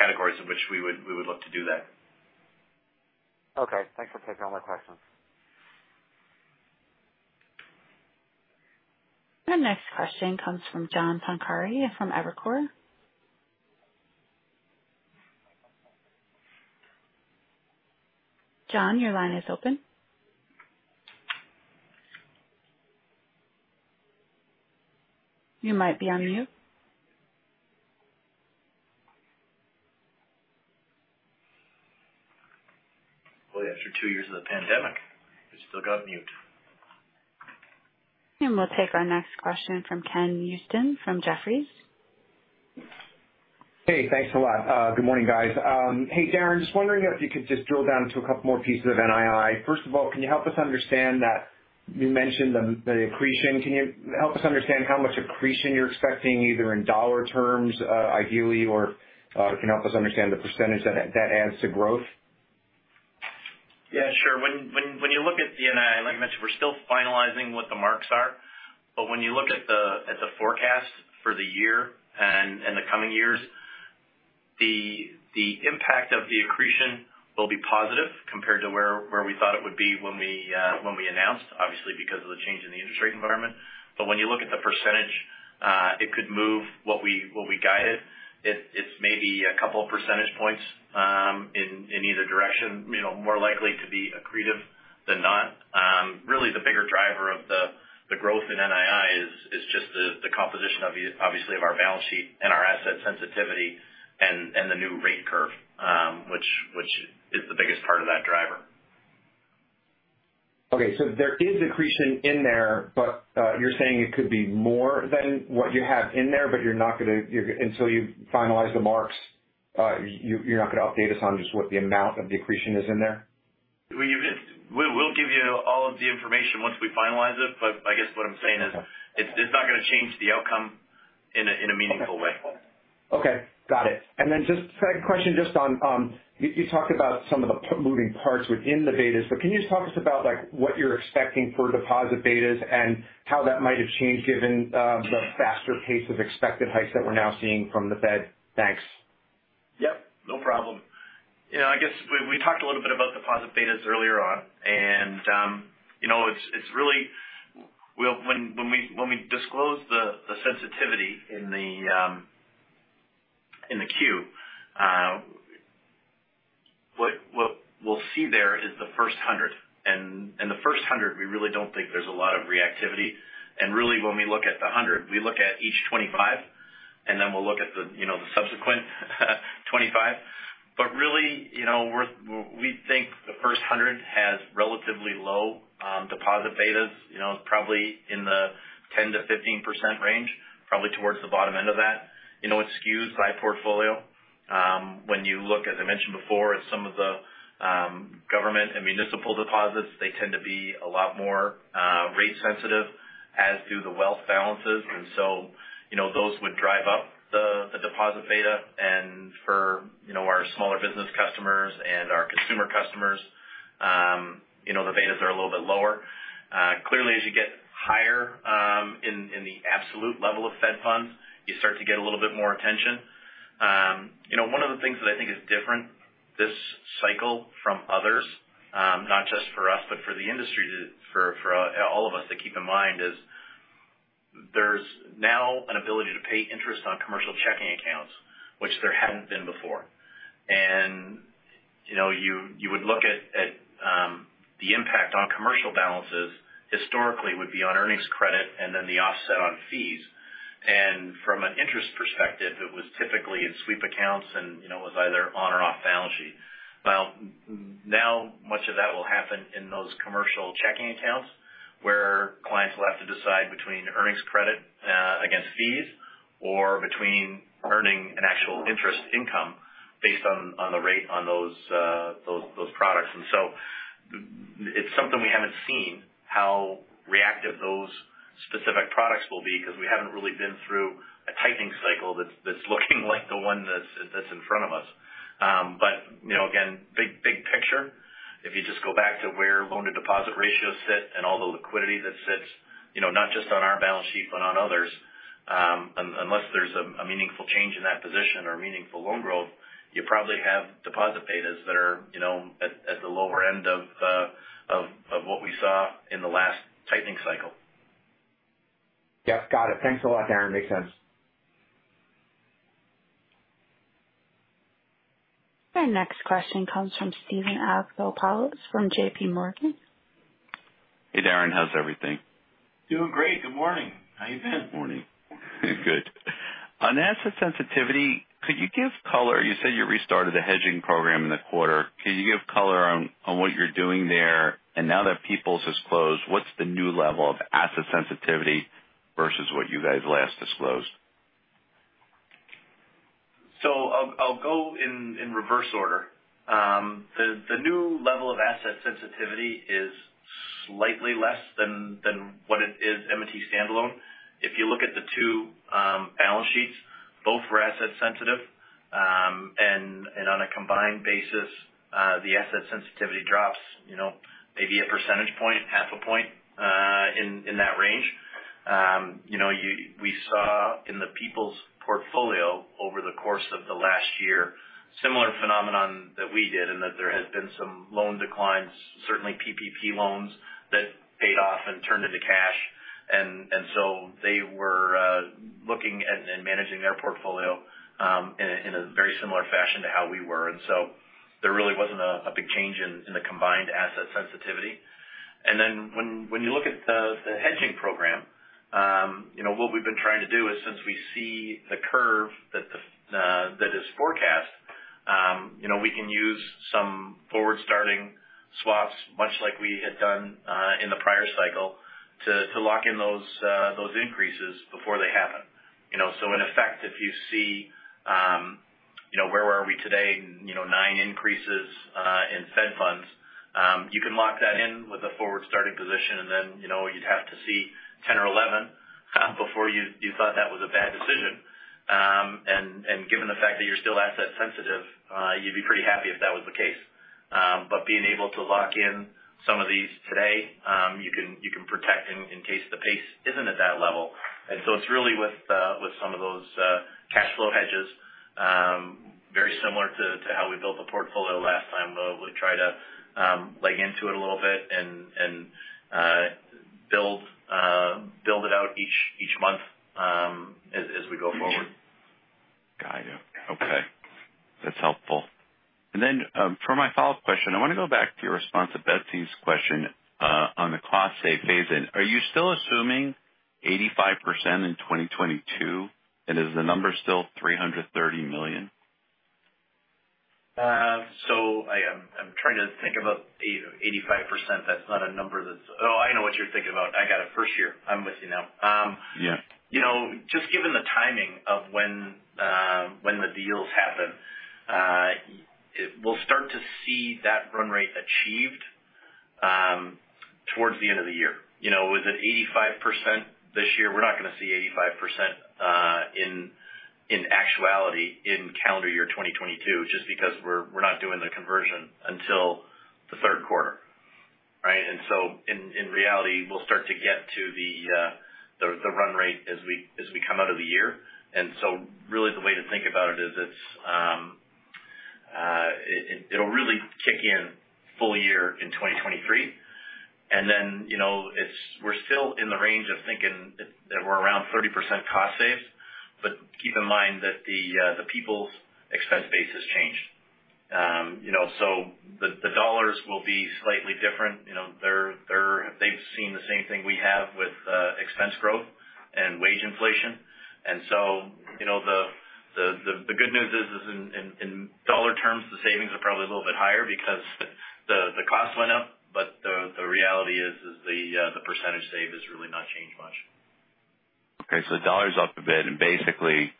categories in which we would look to do that. Okay. Thanks for taking all my questions. Our next question comes from John Pancari from Evercore. John, your line is open. You might be on mute. Boy, after two years of the pandemic, you're still muted. We'll take our next question from Ken Usdin from Jefferies. Hey, thanks a lot. Good morning, guys. Hey, Darrin, just wondering if you could just drill down to a couple more pieces of NII. First of all, can you help us understand that you mentioned the accretion. Can you help us understand how much accretion you're expecting, either in dollar terms, ideally, or can you help us understand the percentage that adds to growth? Yeah, sure. When you look at the NII, like you mentioned, we're still finalizing what the marks are. But when you look at the forecast for the year and in the coming years, the impact of the accretion will be positive compared to where we thought it would be when we announced, obviously because of the change in the interest rate environment. But when you look at the percentage, it could move what we guided. It's maybe a couple of percentage points in either direction, you know, more likely to be accretive than not. Really, the bigger driver of the growth in NII is just the composition, obviously, of our balance sheet and our asset sensitivity and the new rate curve, which is the biggest part of that driver. Okay. There is accretion in there, but you're saying it could be more than what you have in there, but until you finalize the marks, you're not going to update us on just what the amount of the accretion is in there? We'll give you all of the information once we finalize it. I guess what I'm saying is. Okay. It's not going to change the outcome in a meaningful way. Okay. Got it. Just second question just on, you talked about some of the moving parts within the betas. Can you just talk to us about, like, what you're expecting for deposit betas and how that might have changed given, the faster pace of expected hikes that we're now seeing from the Fed? Thanks. Yep, no problem. You know, I guess we talked a little bit about deposit betas earlier on. You know, it's really when we disclose the sensitivity in the Q, what we'll see there is the first 100. The first 100, we really don't think there's a lot of reactivity. Really, when we look at the 100, we look at each 25, and then we'll look at the subsequent 25. Really, you know, we think the first 100 has relatively low deposit betas. You know, it's probably in the 10%-15% range, probably towards the bottom end of that. You know, it skews by portfolio. When you look, as I mentioned before, at some of the government and municipal deposits, they tend to be a lot more rate sensitive, as do the wealth balances. You know, those would drive up the deposit beta. For you know, our smaller business customers and our consumer customers, you know, the betas are a little bit lower. Clearly, as you get higher in the absolute level of Fed funds, you start to get a little bit more attention. You know, one of the things that I think is different this cycle from others, not just for us, but for the industry, for all of us to keep in mind is there's now an ability to pay interest on commercial checking accounts, which there hadn't been before. You know, you would look at the impact on commercial balances historically would be on earnings credit and then the offset on fees. From an interest perspective, it was typically sweep accounts and, you know, it was either on or off balance sheet. Well, now much of that will happen in those commercial checking accounts where clients will have to decide between earnings credit against fees or between earning an actual interest income based on the rate on those products. It's something we haven't seen how reactive those specific products will be because we haven't really been through a tightening cycle that's looking like the one that's in front of us. You know, again, big picture, if you just go back to where loan to deposit ratios sit and all the liquidity that sits, you know, not just on our balance sheet, but on others, unless there's a meaningful change in that position or meaningful loan growth, you probably have deposit betas that are, you know, at the lower end of what we saw in the last tightening cycle. Yes. Got it. Thanks a lot, Darren. Makes sense. Our next question comes from Steven Alexopoulos from JPMorgan. Hey, Darren. How's everything? Doing great. Good morning. How you been? Morning. Good. On asset sensitivity, could you give color? You said you restarted the hedging program in the quarter. Can you give color on what you're doing there? Now that People's has closed, what's the new level of asset sensitivity versus what you guys last disclosed? I'll go in reverse order. The new level of asset sensitivity is slightly less than what it is M&T standalone. If you look at the two balance sheets, both were asset sensitive. On a combined basis, the asset sensitivity drops, you know, maybe a percentage point, half a point, in that range. We saw in the People's portfolio over the course of the last year, similar phenomenon that we did and that there had been some loan declines, certainly PPP loans that paid off and turned into cash. They were looking at and managing their portfolio in a very similar fashion to how we were. There really wasn't a big change in the combined asset sensitivity. When you look at the hedging program, you know, what we've been trying to do is, since we see the curve that is forecast, you know, we can use some forward-starting swaps, much like we had done in the prior cycle to lock in those increases before they happen. You know, in effect, if you see where were we today, you know, nine increases in Fed funds, you can lock that in with a forward-starting position, and then, you know, you'd have to see 10 or 11 before you thought that was a bad decision. Given the fact that you're still asset sensitive, you'd be pretty happy if that was the case. Being able to lock in some of these today, you can protect in case the pace isn't at that level. It's really with some of those cash flow hedges, very similar to how we built the portfolio last time, where we try to leg into it a little bit and build it out each month, as we go forward. Got it. Okay. That's helpful. For my follow-up question, I want to go back to your response to Betsy's question on the cost savings phase-in. Are you still assuming 85% in 2022? Is the number still $330 million? I'm trying to think about 85%. That's not a number that's. Oh, I know what you're thinking about. I got it. First year. I'm with you now. Yeah. You know, just given the timing of when the deals happen, we'll start to see that run rate achieved, towards the end of the year. You know, with an 85% this year, we're not going to see 85% in actuality in calendar year 2022, just because we're not doing the conversion until the third quarter, right? In reality, we'll start to get to the run rate as we come out of the year. Really the way to think about it is it'll really kick in full year in 2023. You know, we're still in the range of thinking that we're around 30% cost saves. Keep in mind that the People's expense base has changed. You know, the dollars will be slightly different. You know, they've seen the same thing we have with expense growth and wage inflation. You know, the good news is in dollar terms, the savings are probably a little bit higher because the costs went up. The reality is the percentage save has really not changed much. Okay. The dollar's up a bit and basically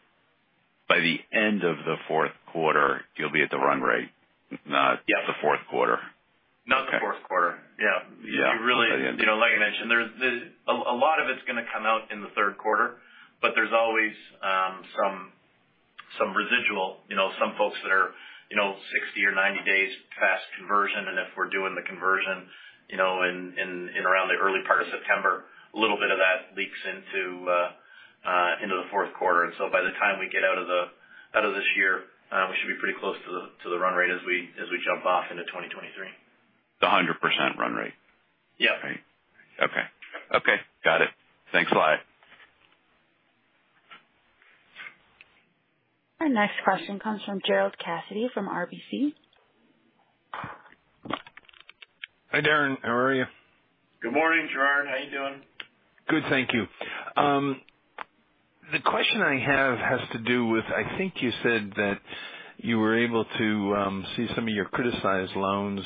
by the end of the fourth quarter you'll be at the run rate. Yeah. Not the fourth quarter. Not the fourth quarter. Yeah. Yeah. You really- By the end of the year. You know, like I mentioned, there's a lot of it's going to come out in the third quarter, but there's always some residual. You know, some folks that are, you know, 60 or 90 days past conversion. If we're doing the conversion, you know, in around the early part of September, a little bit of that leaks into the fourth quarter. By the time we get out of this year, we should be pretty close to the run rate as we jump off into 2023. The 100% run rate? Yeah. Okay. Got it. Thanks a lot. Our next question comes from Gerard Cassidy from RBC. Hi, Darren. How are you? Good morning, Gerard. How are you doing? Good, thank you. The question I have has to do with, I think you said that you were able to see some of your criticized loans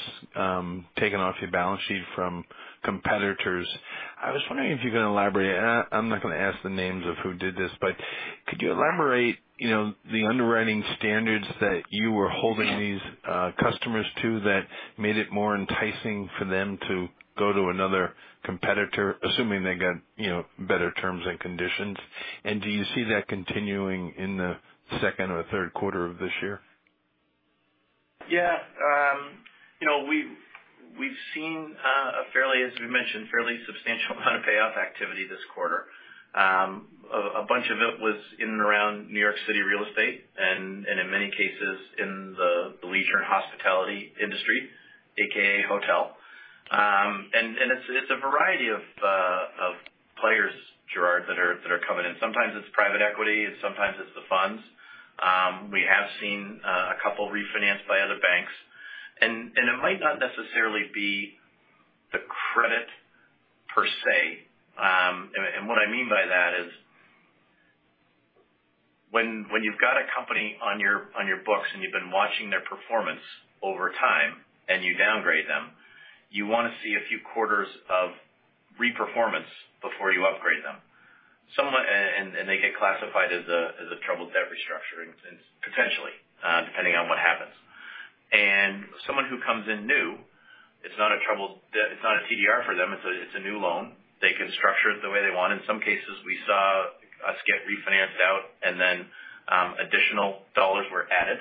taken off your balance sheet from competitors. I was wondering if you can elaborate. And I'm not gonna ask the names of who did this, but could you elaborate, you know, the underwriting standards that you were holding these customers to that made it more enticing for them to go to another competitor, assuming they got, you know, better terms and conditions? Do you see that continuing in the second or third quarter of this year? Yeah. You know, we've seen a fairly, as we mentioned, fairly substantial amount of payoff activity this quarter. A bunch of it was in and around New York City real estate and in many cases in the leisure and hospitality industry, AKA hotel. It's a variety of players, Gerard, that are coming in. Sometimes it's private equity, and sometimes it's the funds. We have seen a couple refinanced by other banks. It might not necessarily be the credit per se. What I mean by that is when you've got a company on your books and you've been watching their performance over time and you downgrade them, you wanna see a few quarters of re-performance before you upgrade them. They get classified as a troubled debt restructuring, and potentially, depending on what happens. Someone who comes in new, it's not a TDR for them. It's a new loan. They can structure it the way they want. In some cases, we saw us get refinanced out, and then, additional dollars were added.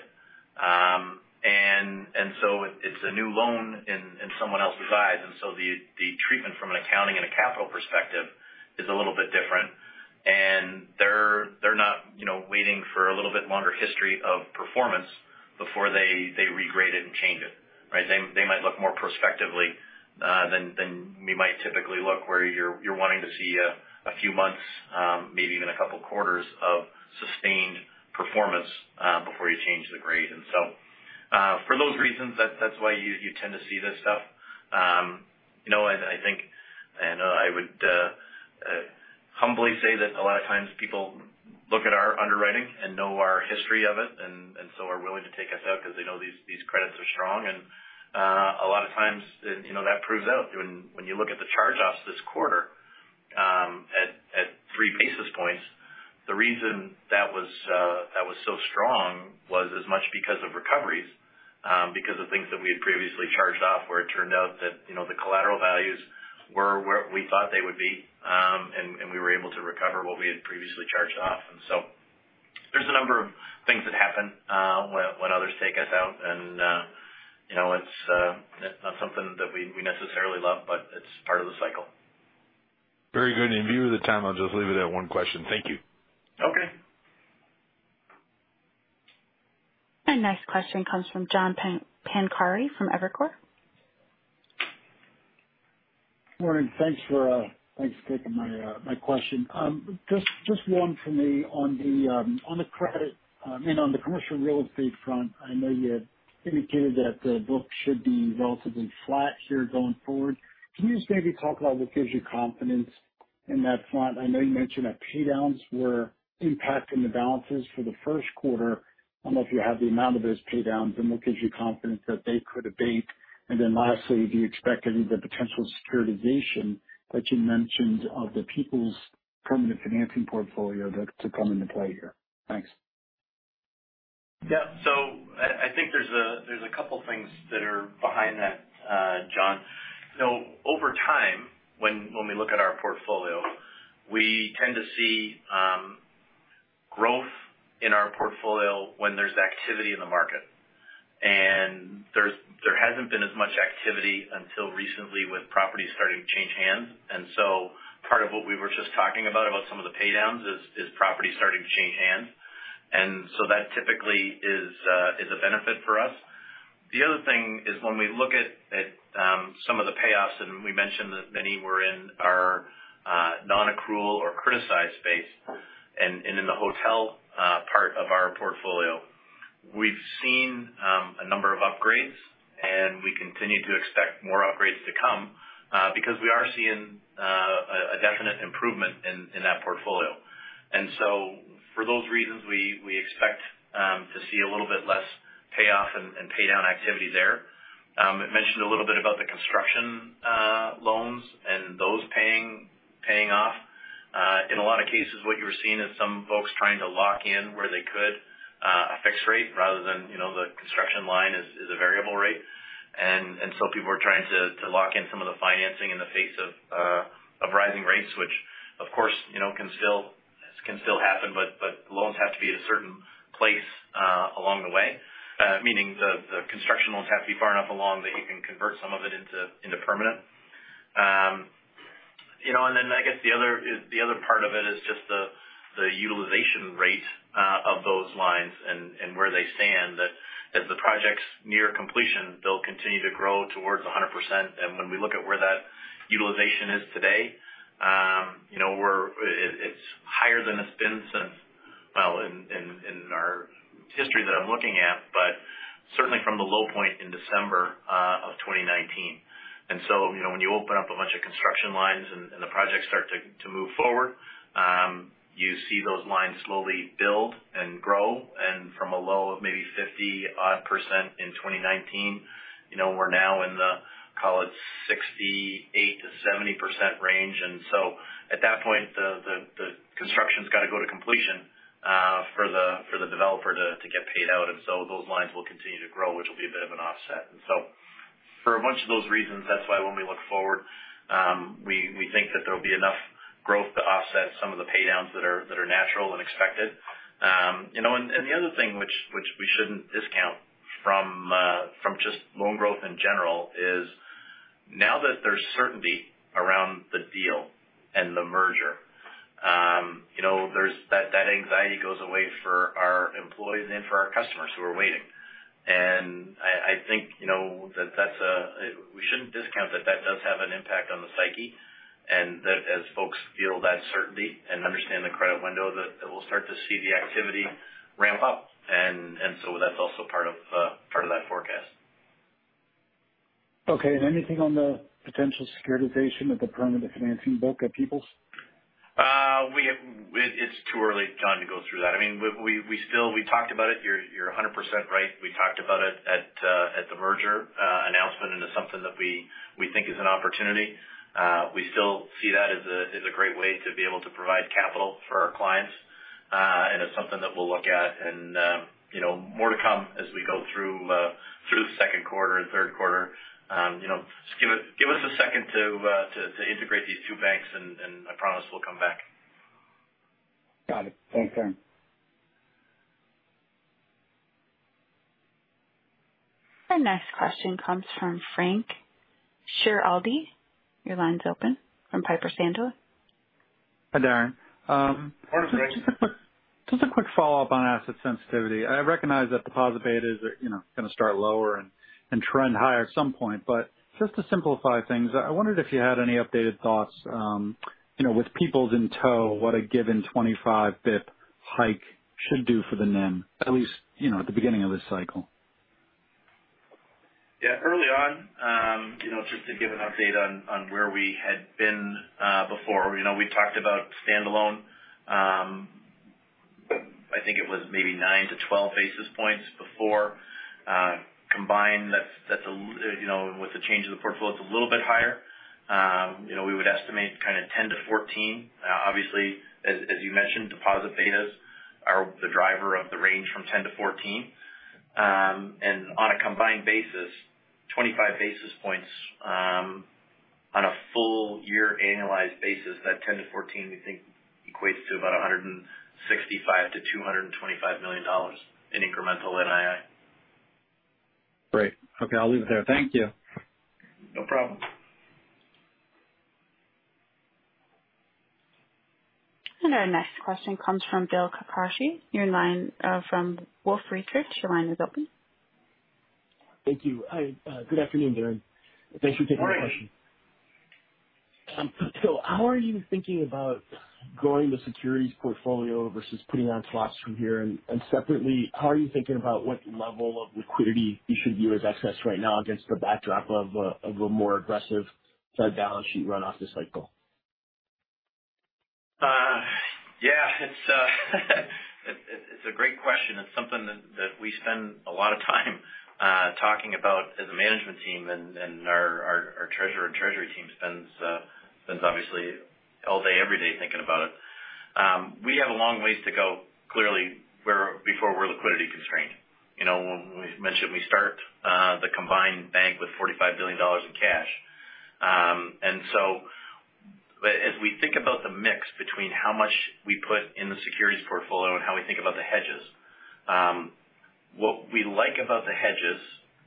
It's a new loan in someone else's eyes. The treatment from an accounting and a capital perspective is a little bit different. They're not, you know, waiting for a little bit longer history of performance before they regrade it and change it, right? They might look more prospectively than we might typically look, where you're wanting to see a few months, maybe even a couple quarters, of sustained performance before you change the grade. For those reasons, that's why you tend to see this stuff. You know, I think I would humbly say that a lot of times people look at our underwriting and know our history of it, and so are willing to take us out because they know these credits are strong. A lot of times, you know, that proves out when you look at the charge-offs this quarter at 3 basis points. The reason that was so strong was as much because of recoveries, because of things that we had previously charged off, where it turned out that, you know, the collateral values were where we thought they would be, and we were able to recover what we had previously charged off. There's a number of things that happen, when others take us out. You know, it's not something that we necessarily love, but it's part of the cycle. Very good. In view of the time, I'll just leave it at one question. Thank you. Okay. Our next question comes from John Pancari from Evercore. Morning. Thanks for taking my question. Just one for me on the credit, I mean on the commercial real estate front. I know you had indicated that the book should be relatively flat here going forward. Can you just maybe talk about what gives you confidence in that front? I know you mentioned that pay downs were impacting the balances for the first quarter. I don't know if you have the amount of those pay downs and what gives you confidence that they could abate. Lastly, do you expect any of the potential securitization that you mentioned of the People's permanent financing portfolio to come into play here? Thanks. I think there's a couple things that are behind that, John. Over time, when we look at our portfolio, we tend to see growth in our portfolio when there's activity in the market. There hasn't been as much activity until recently with properties starting to change hands. Part of what we were just talking about some of the pay downs is property starting to change hands. That typically is a benefit for us. The other thing is when we look at some of the payoffs, and we mentioned that many were in our non-accrual or criticized space and in the hotel part of our portfolio. We've seen a number of upgrades, and we continue to expect more upgrades to come, because we are seeing a definite improvement in that portfolio. For those reasons, we expect to see a little bit less payoff and pay down activity there. It mentioned a little bit about the construction loans and those paying off. In a lot of cases, what you were seeing is some folks trying to lock in where they could a fixed rate rather than, you know, the construction line is a variable rate. People are trying to lock in some of the financing in the face of rising rates, which of course, you know, can still happen. Loans have to be at a certain place along the way, meaning the construction loans have to be far enough along that you can convert some of it into permanent. You know, then I guess the other part of it is just the utilization rate of those lines and where they stand. That as the project's near completion, they'll continue to grow towards 100%. When we look at where that utilization is today, you know, it's higher than it's been since well, in our history that I'm looking at. Certainly from the low point in December of 2019. You know, when you open up a bunch of construction lines and the projects start to move forward, you see those lines slowly build and grow. From a low of maybe 50-odd% in 2019, you know, we're now in the call it 68%-70% range. At that point the construction's got to go to completion for the developer to get paid out. Those lines will continue to grow, which will be a bit of an offset. For a bunch of those reasons, that's why when we look forward, we think that there'll be enough growth to offset some of the pay downs that are natural and expected. You know, and the other thing which we shouldn't discount from just loan growth in general is now that there's certainty around the deal and the merger, you know, that anxiety goes away for our employees and for our customers who are waiting. I think, you know, we shouldn't discount that does have an impact on the psyche. That as folks feel that certainty and understand the credit window, that we'll start to see the activity ramp up. So that's also part of that forecast. Okay. Anything on the potential securitization of the permanent financing book at People's? It's too early, John, to go through that. I mean, we still talked about it. You're 100% right. We talked about it at the merger announcement into something that we think is an opportunity. We still see that as a great way to be able to provide capital for our clients. It's something that we'll look at and, you know, more to come as we go through the second quarter and third quarter. You know, just give us a second to integrate these two banks, and I promise we'll come back. Got it. Thanks, Darren. Our next question comes from Frank Schiraldi. Your line's open from Piper Sandler. Hi, Darren. Morning, Frank. Just a quick follow-up on asset sensitivity. I recognize that deposit betas are, you know, going to start lower and trend higher at some point. Just to simplify things, I wondered if you had any updated thoughts, you know, with People's in tow, what a given 25 bp hike should do for the NIM, at least, you know, at the beginning of this cycle. Yeah, early on, you know, just to give an update on where we had been before. You know, we talked about standalone, I think it was maybe 9 basis points-12 basis points before, combined. You know, with the change in the portfolio, it's a little bit higher. You know, we would estimate kind of 10-14. Obviously, as you mentioned, deposit betas are the driver of the range from 10-14. On a combined basis, 25 basis points on a full year annualized basis, that 10-14 we think equates to about $165 million-$225 million in incremental NII. Great. Okay, I'll leave it there. Thank you. No problem. Our next question comes from Bill Carcache. Your line from Wolfe Research. Your line is open. Thank you. Hi, good afternoon, Darren. Thanks for taking my question. Morning. How are you thinking about growing the securities portfolio versus putting on swaps from here? Separately, how are you thinking about what level of liquidity you should view as excess right now against the backdrop of a more aggressive balance sheet runoff this cycle? Yeah, it's a great question. It's something that we spend a lot of time talking about as a management team and our treasurer and treasury team spends obviously all day, every day thinking about it. We have a long ways to go, clearly, before we're liquidity constrained. You know, when we mentioned we start the combined bank with $45 billion in cash. As we think about the mix between how much we put in the securities portfolio and how we think about the hedges, what we like about the hedges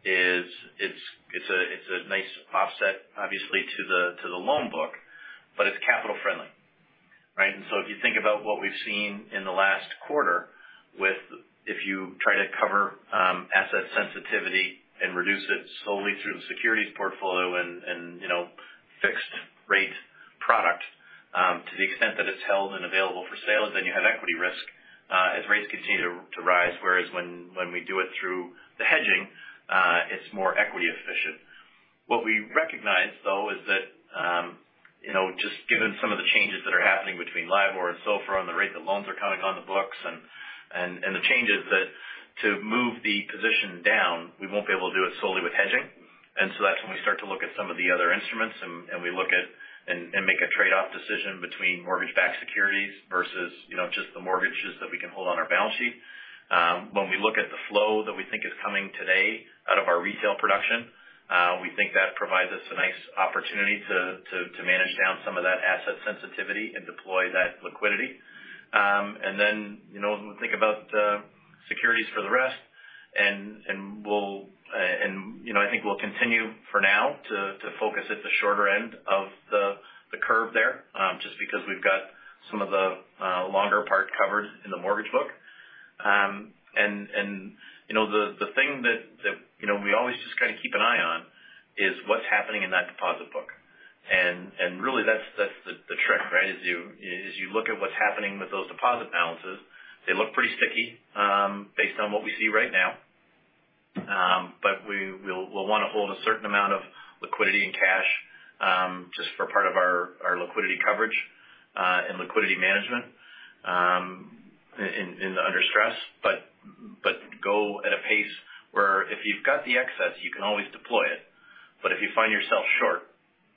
is it's a nice offset, obviously, to the loan book. It's capital friendly, right? If you think about what we've seen in the last quarter with if you try to cover asset sensitivity and reduce it solely through the securities portfolio and, you know, fixed rate product, to the extent that it's held and available for sale, then you have equity risk as rates continue to rise. Whereas when we do it through the hedging, it's more equity efficient. What we recognize though is that, you know, just given some of the changes that are happening between LIBOR and SOFR on the rate that loans are coming on the books and the changes that to move the position down, we won't be able to do it solely with hedging. That's when we start to look at some of the other instruments and we look at and make a trade-off decision between mortgage-backed securities versus, you know, just the mortgages that we can hold on our balance sheet. When we look at the flow that we think is coming today out of our retail production, we think that provides us a nice opportunity to manage down some of that asset sensitivity and deploy that liquidity. Then, you know, when we think about securities for the rest. We'll, you know, I think we'll continue for now to focus at the shorter end of the curve there, just because we've got some of the longer part covered in the mortgage book. You know, the thing that you know, we always just kinda keep an eye on is what's happening in that deposit book. Really that's the trick, right? As you look at what's happening with those deposit balances, they look pretty sticky based on what we see right now. We'll wanna hold a certain amount of liquidity and cash just for part of our liquidity coverage and liquidity management in under stress, but go at a pace where if you've got the excess, you can always deploy it. If you find yourself short,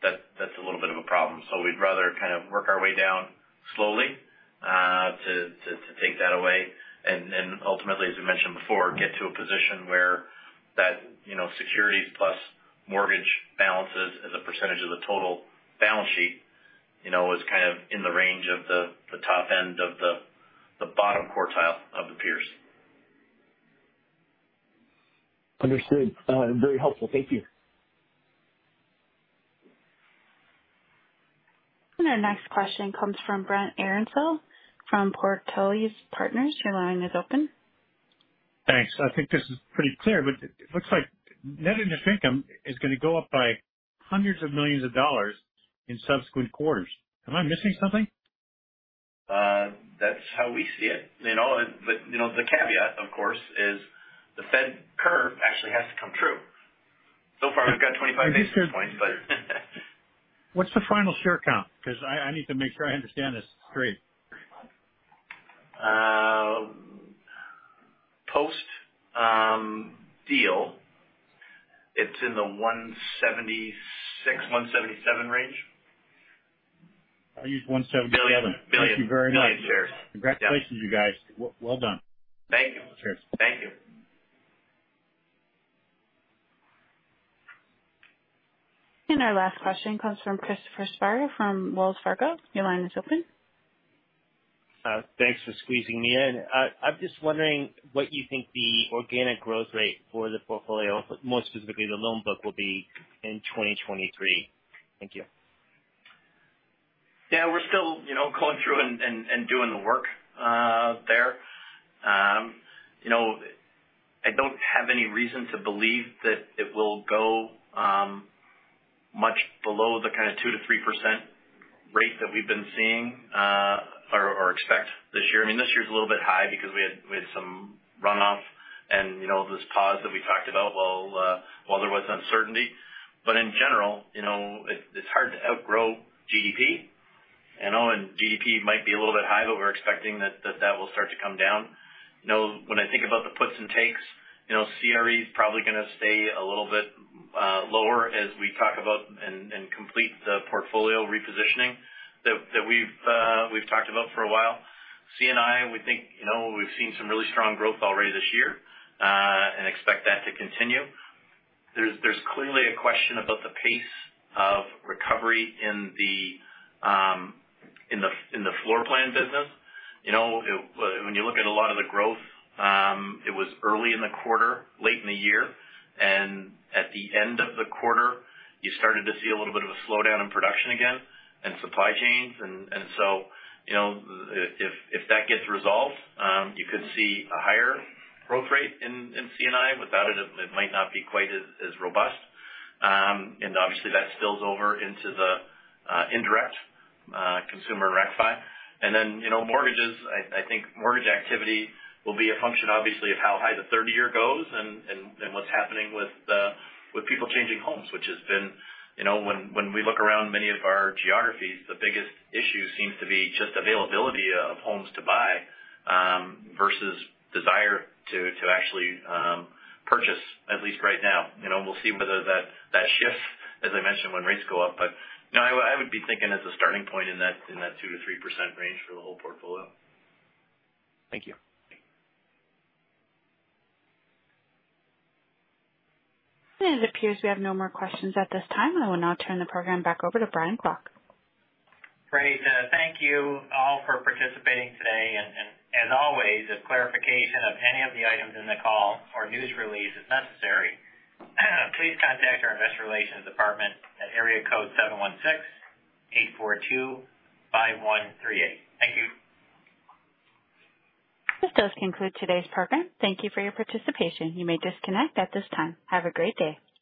that's a little bit of a problem. We'd rather kind of work our way down slowly to take that away. Ultimately, as we mentioned before, get to a position where that, you know, securities plus mortgage balances as a percentage of the total balance sheet, you know, is kind of in the range of the top end of the bottom quartile of the peers. Understood. Very helpful. Thank you. Our next question comes from Brent Erensel from Portales Partners. Your line is open. Thanks. I think this is pretty clear, but it looks like net interest income is gonna go up by hundreds of millions of dollars in subsequent quarters. Am I missing something? That's how we see it. You know, but, you know, the caveat, of course, is the Fed curve actually has to come true. So far, we've got 25 basis points, but. What's the final share count? 'Cause I need to make sure I understand this straight. Post deal. It's in the $176 million-$177 million range. I'll use $177 million. Million. Thank you very much. million shares. Congratulations, you guys. Well done. Thank you. Cheers. Thank you. Our last question comes from Christopher Spahr from Wells Fargo. Your line is open. Thanks for squeezing me in. I'm just wondering what you think the organic growth rate for the portfolio, more specifically the loan book, will be in 2023. Thank you. Yeah, we're still, you know, going through and doing the work there. You know, I don't have any reason to believe that it will go much below the kinda 2%-3% rate that we've been seeing or expect this year. I mean, this year's a little bit high because we had some runoff and, you know, this pause that we talked about while there was uncertainty. In general, you know, it's hard to outgrow GDP, you know, and GDP might be a little bit high, but we're expecting that will start to come down. You know, when I think about the puts and takes, you know, CRE is probably gonna stay a little bit lower as we talk about and complete the portfolio repositioning that we've talked about for a while. C&I, we think, you know, we've seen some really strong growth already this year and expect that to continue. There's clearly a question about the pace of recovery in the floor plan business. You know, when you look at a lot of the growth, it was early in the quarter, late in the year, and at the end of the quarter, you started to see a little bit of a slowdown in production again and supply chains. You know, if that gets resolved, you could see a higher growth rate in C&I. Without it might not be quite as robust. Obviously, that spills over into the indirect consumer Recreational Finance. You know, mortgages, I think mortgage activity will be a function obviously of how high the 30-year goes and what's happening with people changing homes, which has been, you know, when we look around many of our geographies, the biggest issue seems to be just availability of homes to buy versus desire to actually purchase at least right now. You know, we'll see whether that shifts, as I mentioned, when rates go up. You know, I would be thinking as a starting point in that 2%-3% range for the whole portfolio. Thank you. Okay. It appears we have no more questions at this time. I will now turn the program back over to Brian Klock. Great. Thank you all for participating today. As always, if clarification of any of the items in the call or news release is necessary, please contact our investor relations department at area code 716-842-5138. Thank you. This does conclude today's program. Thank you for your participation. You may disconnect at this time. Have a great day.